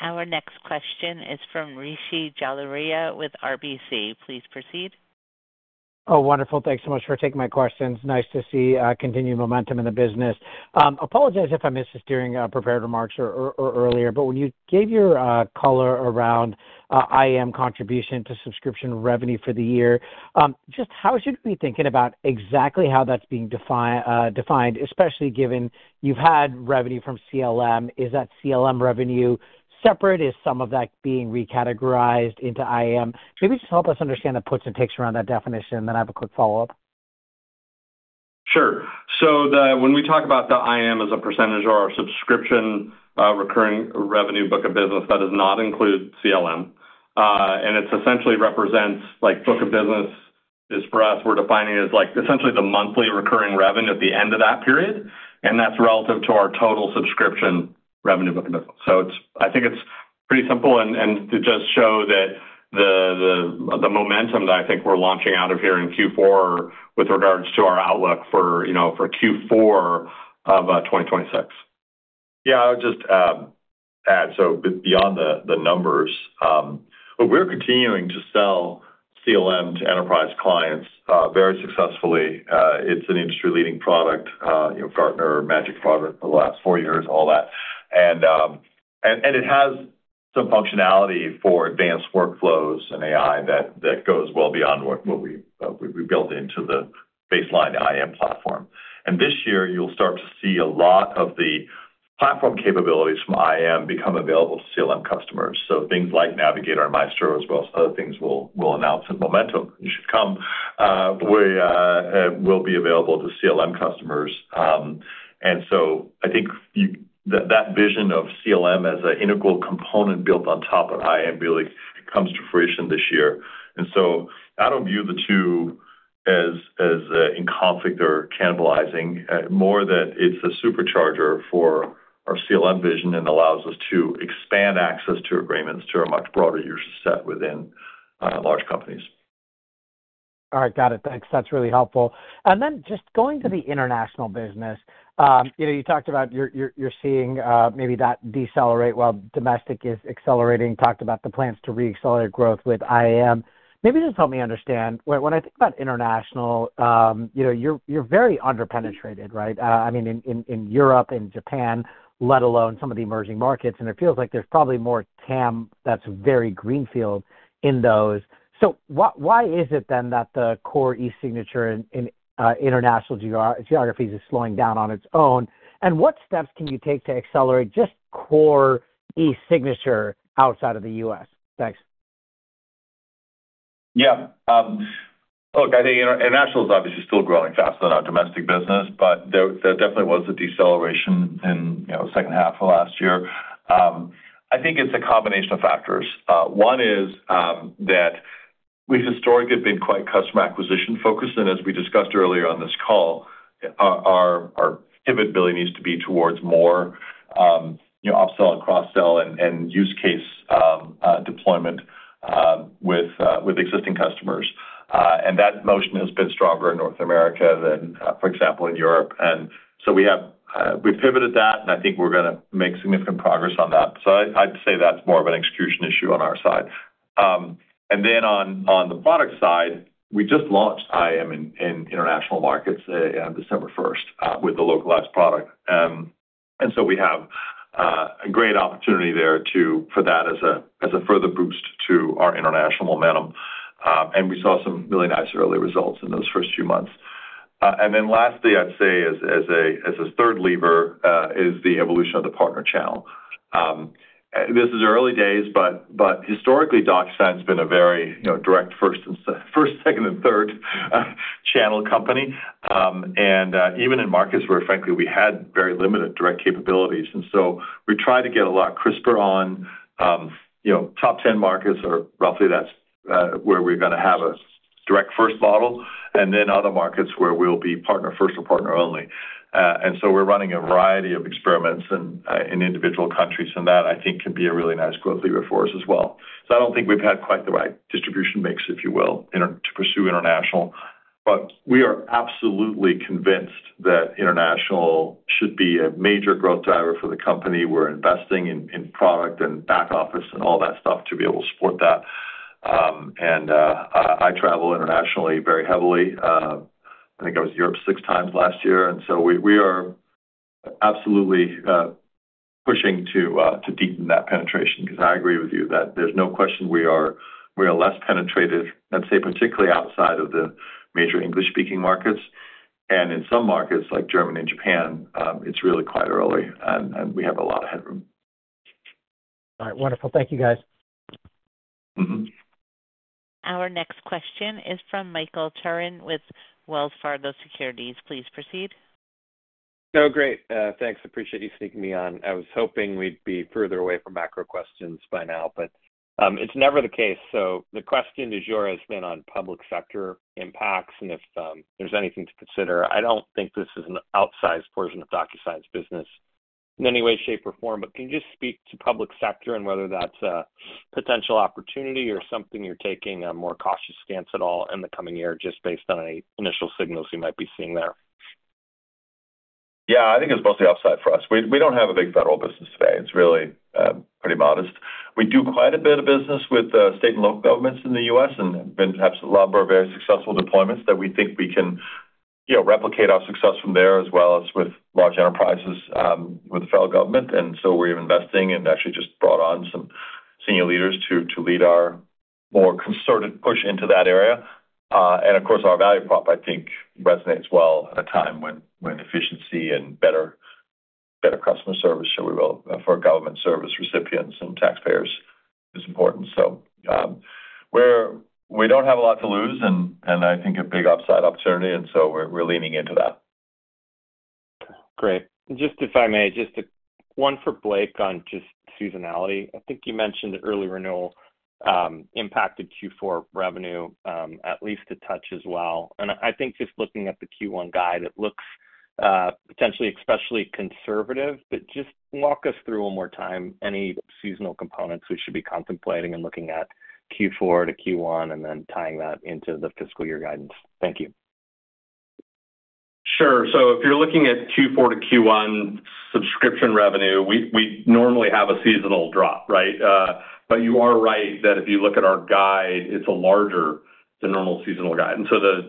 Our next question is from Rishi Jaluria with RBC. Please proceed. Oh, wonderful. Thanks so much for taking my questions. Nice to see continued momentum in the business. Apologize if I missed this during prepared remarks earlier. When you gave your color around IAM contribution to subscription revenue for the year, just how should we be thinking about exactly how that's being defined, especially given you've had revenue from CLM? Is that CLM revenue separate? Is some of that being recategorized into IAM? Maybe just help us understand the puts and takes around that definition, and then I have a quick follow-up. Sure. When we talk about the IAM as a percentage of our subscription recurring revenue book of business, that does not include CLM. It essentially represents book of business is for us, we're defining it as essentially the monthly recurring revenue at the end of that period. That's relative to our total subscription revenue book of business. I think it's pretty simple and to just show that the momentum that I think we're launching out of here in Q4 with regards to our outlook for Q4 of 2026. Yeah. I would just add, so beyond the numbers, we're continuing to sell CLM to enterprise clients very successfully. It's an industry-leading product, Gartner Magic Product for the last four years, all that. It has some functionality for advanced workflows and AI that goes well beyond what we built into the baseline IAM platform. This year, you'll start to see a lot of the platform capabilities from IAM become available to CLM customers. Things like Navigator and Maestro as well as other things we'll announce at Momentum should come, will be available to CLM customers. I think that vision of CLM as an integral component built on top of IAM really comes to fruition this year. I do not view the two as in conflict or cannibalizing, more that it is a supercharger for our CLM vision and allows us to expand access to agreements to a much broader user set within large companies. All right. Got it. Thanks. That is really helpful. Just going to the international business, you talked about you are seeing maybe that decelerate while domestic is accelerating. Talked about the plans to re-accelerate growth with IAM. Maybe just help me understand. When I think about international, you are very underpenetrated, right? I mean, in Europe and Japan, let alone some of the emerging markets. It feels like there is probably more TAM that is very greenfield in those. Why is it then that the core eSignature in international geographies is slowing down on its own? And what steps can you take to accelerate just core eSignature outside of the U.S.? Thanks. Yeah. Look, I think international is obviously still growing faster than our domestic business. There definitely was a deceleration in the second half of last year. I think it's a combination of factors. One is that we've historically been quite customer acquisition focused. As we discussed earlier on this call, our pivot really needs to be towards more upsell and cross-sell and use case deployment with existing customers. That motion has been stronger in North America than, for example, in Europe. We have pivoted that. I think we're going to make significant progress on that. I'd say that's more of an execution issue on our side. On the product side, we just launched IAM in international markets on December 1 with the localized product. We have a great opportunity there for that as a further boost to our international momentum. We saw some really nice early results in those first few months. Lastly, I'd say as a third lever is the evolution of the partner channel. This is early days. Historically, DocuSign has been a very direct first, second, and third channel company, even in markets where, frankly, we had very limited direct capabilities. We have tried to get a lot crisper on top 10 markets or roughly that's where we're going to have a direct first model and then other markets where we'll be partner first or partner only. We are running a variety of experiments in individual countries. That, I think, can be a really nice growth lever for us as well. I do not think we've had quite the right distribution mix, if you will, to pursue international. We are absolutely convinced that international should be a major growth driver for the company. We're investing in product and back office and all that stuff to be able to support that. I travel internationally very heavily. I think I was in Europe six times last year. We are absolutely pushing to deepen that penetration because I agree with you that there's no question we are less penetrated, I'd say, particularly outside of the major English-speaking markets. In some markets like Germany and Japan, it's really quite early. We have a lot of headroom. All right. Wonderful. Thank you, guys. Our next question is from Michael Turin with Wells Fargo Securities. Please proceed. No, great. Thanks. Appreciate you sneaking me on. I was hoping we'd be further away from macro questions by now. It's never the case. The question is yours, then on public sector impacts and if there's anything to consider. I don't think this is an outsized portion of DocuSign's business in any way, shape, or form. Can you just speak to public sector and whether that's a potential opportunity or something you're taking a more cautious stance at all in the coming year just based on any initial signals you might be seeing there? Yeah. I think it's mostly upside for us. We don't have a big federal business today. It's really pretty modest. We do quite a bit of business with state and local governments in the U.S. and have a number of very successful deployments that we think we can replicate our success from there as well as with large enterprises with the federal government. We are investing and actually just brought on some senior leaders to lead our more concerted push into that area. Of course, our value prop, I think, resonates well at a time when efficiency and better customer service, if you will, for government service recipients and taxpayers is important. We do not have a lot to lose. I think a big upside opportunity. We are leaning into that. Great. If I may, just one for Blake on seasonality. I think you mentioned early renewal impacted Q4 revenue at least a touch as well. I think just looking at the Q1 guide, it looks potentially especially conservative. Just walk us through one more time any seasonal components we should be contemplating in looking at Q4 to Q1 and then tying that into the fiscal year guidance. Thank you. Sure. If you're looking at Q4 to Q1 subscription revenue, we normally have a seasonal drop, right? You are right that if you look at our guide, it's larger than the normal seasonal guide.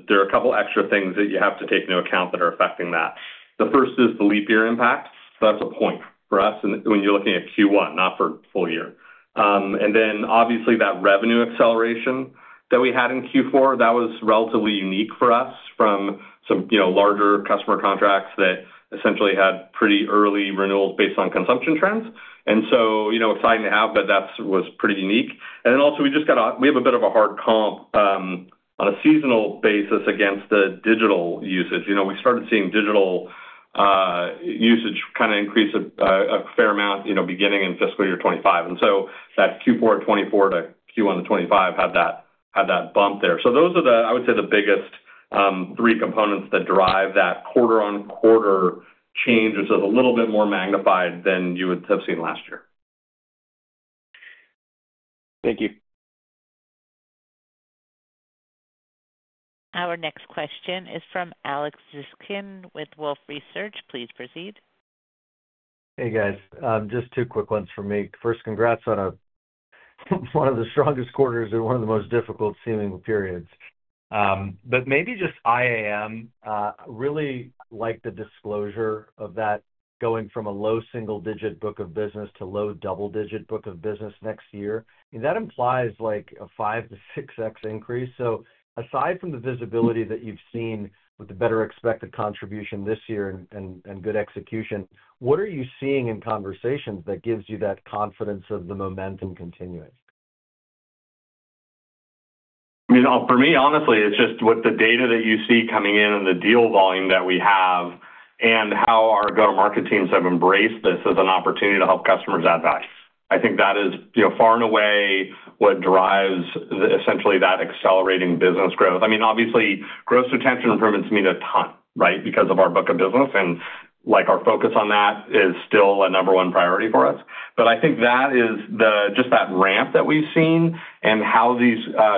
There are a couple of extra things that you have to take into account that are affecting that. The first is the leap year impact. That's a point for us when you're looking at Q1, not for the full year. That revenue acceleration that we had in Q4, that was relatively unique for us from some larger customer contracts that essentially had pretty early renewals based on consumption trends. It was exciting to have, but that was pretty unique. We also have a bit of a hard comp on a seasonal basis against the digital usage. We started seeing digital usage kind of increase a fair amount beginning in fiscal year 2025. That Q4 2024 to Q1 2025 had that bump there. Those are, I would say, the biggest three components that drive that quarter-on-quarter change, which is a little bit more magnified than you would have seen last year. Thank you. Our next question is from Alex Zukin with Wolfe Research. Please proceed. Hey, guys. Just two quick ones for me. First, congrats on one of the strongest quarters and one of the most difficult-seeming periods. Maybe just IAM, really like the disclosure of that going from a low single-digit book of business to low double-digit book of business next year. That implies a 5x-6x increase. Aside from the visibility that you've seen with the better expected contribution this year and good execution, what are you seeing in conversations that gives you that confidence of the momentum continuing? I mean, for me, honestly, it's just with the data that you see coming in and the deal volume that we have and how our go-to-market teams have embraced this as an opportunity to help customers advise. I think that is far and away what drives essentially that accelerating business growth. I mean, obviously, gross retention improvements mean a ton, right, because of our book of business. Our focus on that is still a number one priority for us. I think that is just that ramp that we've seen and how these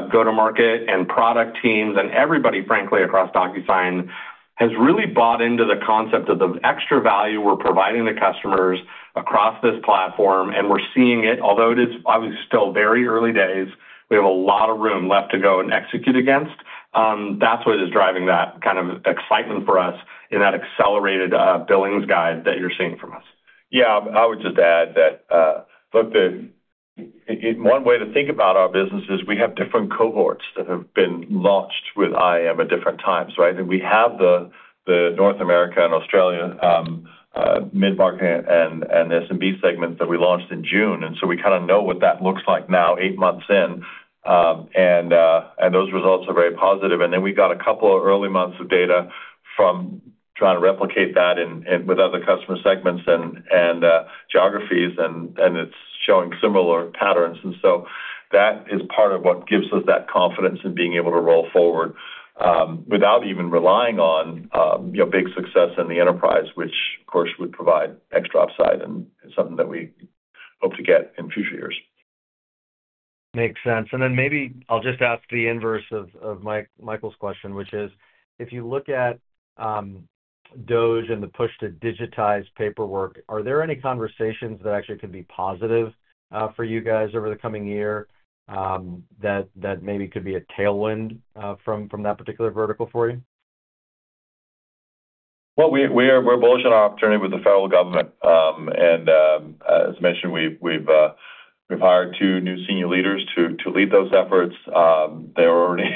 go-to-market and product teams and everybody, frankly, across DocuSign has really bought into the concept of the extra value we're providing the customers across this platform. We're seeing it, although it is obviously still very early days, we have a lot of room left to go and execute against. That is what is driving that kind of excitement for us in that accelerated billings guide that you're seeing from us. Yeah. I would just add that one way to think about our business is we have different cohorts that have been launched with IAM at different times, right? We have the North America and Australia mid-market and S&B segments that we launched in June. We kind of know what that looks like now, eight months in. Those results are very positive. We got a couple of early months of data from trying to replicate that with other customer segments and geographies. It is showing similar patterns. That is part of what gives us that confidence in being able to roll forward without even relying on big success in the enterprise, which, of course, would provide extra upside and something that we hope to get in future years. Makes sense. Maybe I'll just ask the inverse of Michael's question, which is, if you look at DocuSign and the push to digitize paperwork, are there any conversations that actually could be positive for you guys over the coming year that maybe could be a tailwind from that particular vertical for you? We're bullish on our opportunity with the federal government. As mentioned, we've hired two new senior leaders to lead those efforts. They're already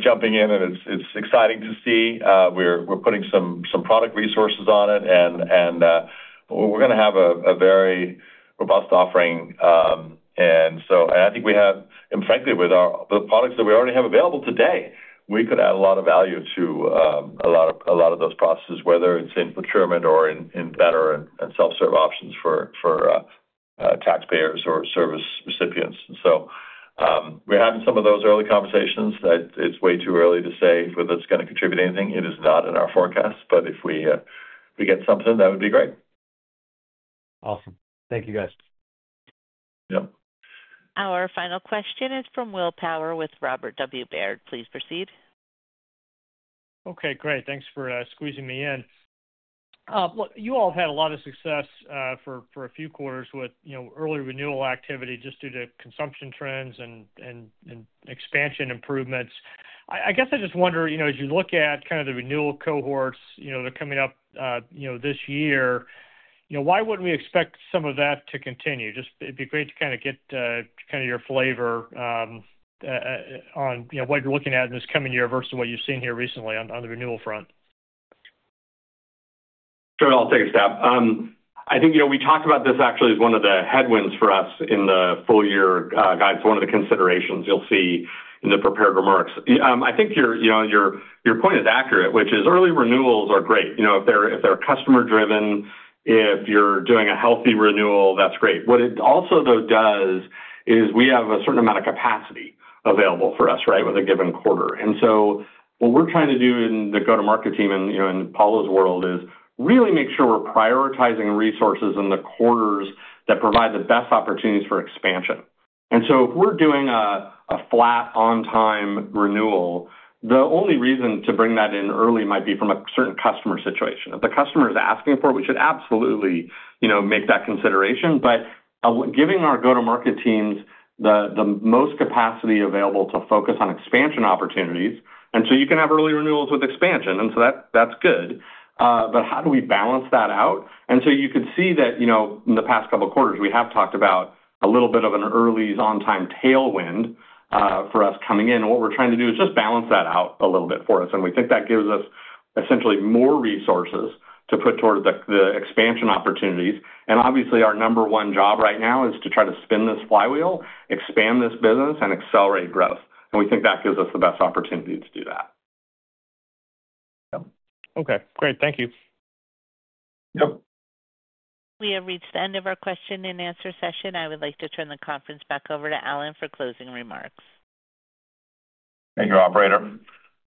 jumping in. It's exciting to see. We're putting some product resources on it. We're going to have a very robust offering. I think we have, and frankly, with the products that we already have available today, we could add a lot of value to a lot of those processes, whether it's in procurement or in better and self-serve options for taxpayers or service recipients. We're having some of those early conversations. It's way too early to say whether it's going to contribute anything. It is not in our forecast. If we get something, that would be great. Awesome. Thank you, guys. Yep. Our final question is from Will Power with Robert W. Baird. Please proceed. Okay. Great. Thanks for squeezing me in. Look, you all have had a lot of success for a few quarters with early renewal activity just due to consumption trends and expansion improvements. I guess I just wonder, as you look at kind of the renewal cohorts that are coming up this year, why wouldn't we expect some of that to continue? Just it'd be great to kind of get kind of your flavor on what you're looking at in this coming year versus what you've seen here recently on the renewal front. Sure. I'll take a stab. I think we talked about this actually as one of the headwinds for us in the full-year guidance, one of the considerations you'll see in the prepared remarks. I think your point is accurate, which is early renewals are great. If they're customer-driven, if you're doing a healthy renewal, that's great. What it also, though, does is we have a certain amount of capacity available for us, right, with a given quarter. What we're trying to do in the go-to-market team and Paula's world is really make sure we're prioritizing resources in the quarters that provide the best opportunities for expansion. If we're doing a flat on-time renewal, the only reason to bring that in early might be from a certain customer situation. If the customer is asking for it, we should absolutely make that consideration. Giving our go-to-market teams the most capacity available to focus on expansion opportunities. You can have early renewals with expansion. That is good. How do we balance that out? You could see that in the past couple of quarters, we have talked about a little bit of an early on-time tailwind for us coming in. What we are trying to do is just balance that out a little bit for us. We think that gives us essentially more resources to put toward the expansion opportunities. Obviously, our number one job right now is to try to spin this flywheel, expand this business, and accelerate growth. We think that gives us the best opportunity to do that. Yep. Okay. Great. Thank you. Yep. We have reached the end of our question and answer session. I would like to turn the conference back over to Allan for closing remarks. Thank you, operator.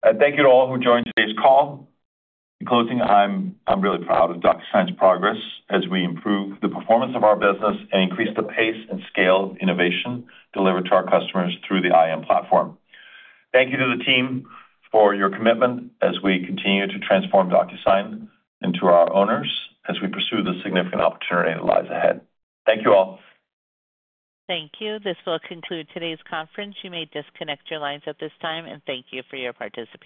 Thank you to all who joined today's call. In closing, I'm really proud of DocuSign's progress as we improve the performance of our business and increase the pace and scale of innovation delivered to our customers through the IAM platform. Thank you to the team for your commitment as we continue to transform DocuSign into our owners as we pursue the significant opportunity that lies ahead. Thank you all. Thank you. This will conclude today's conference. You may disconnect your lines at this time. Thank you for your participation.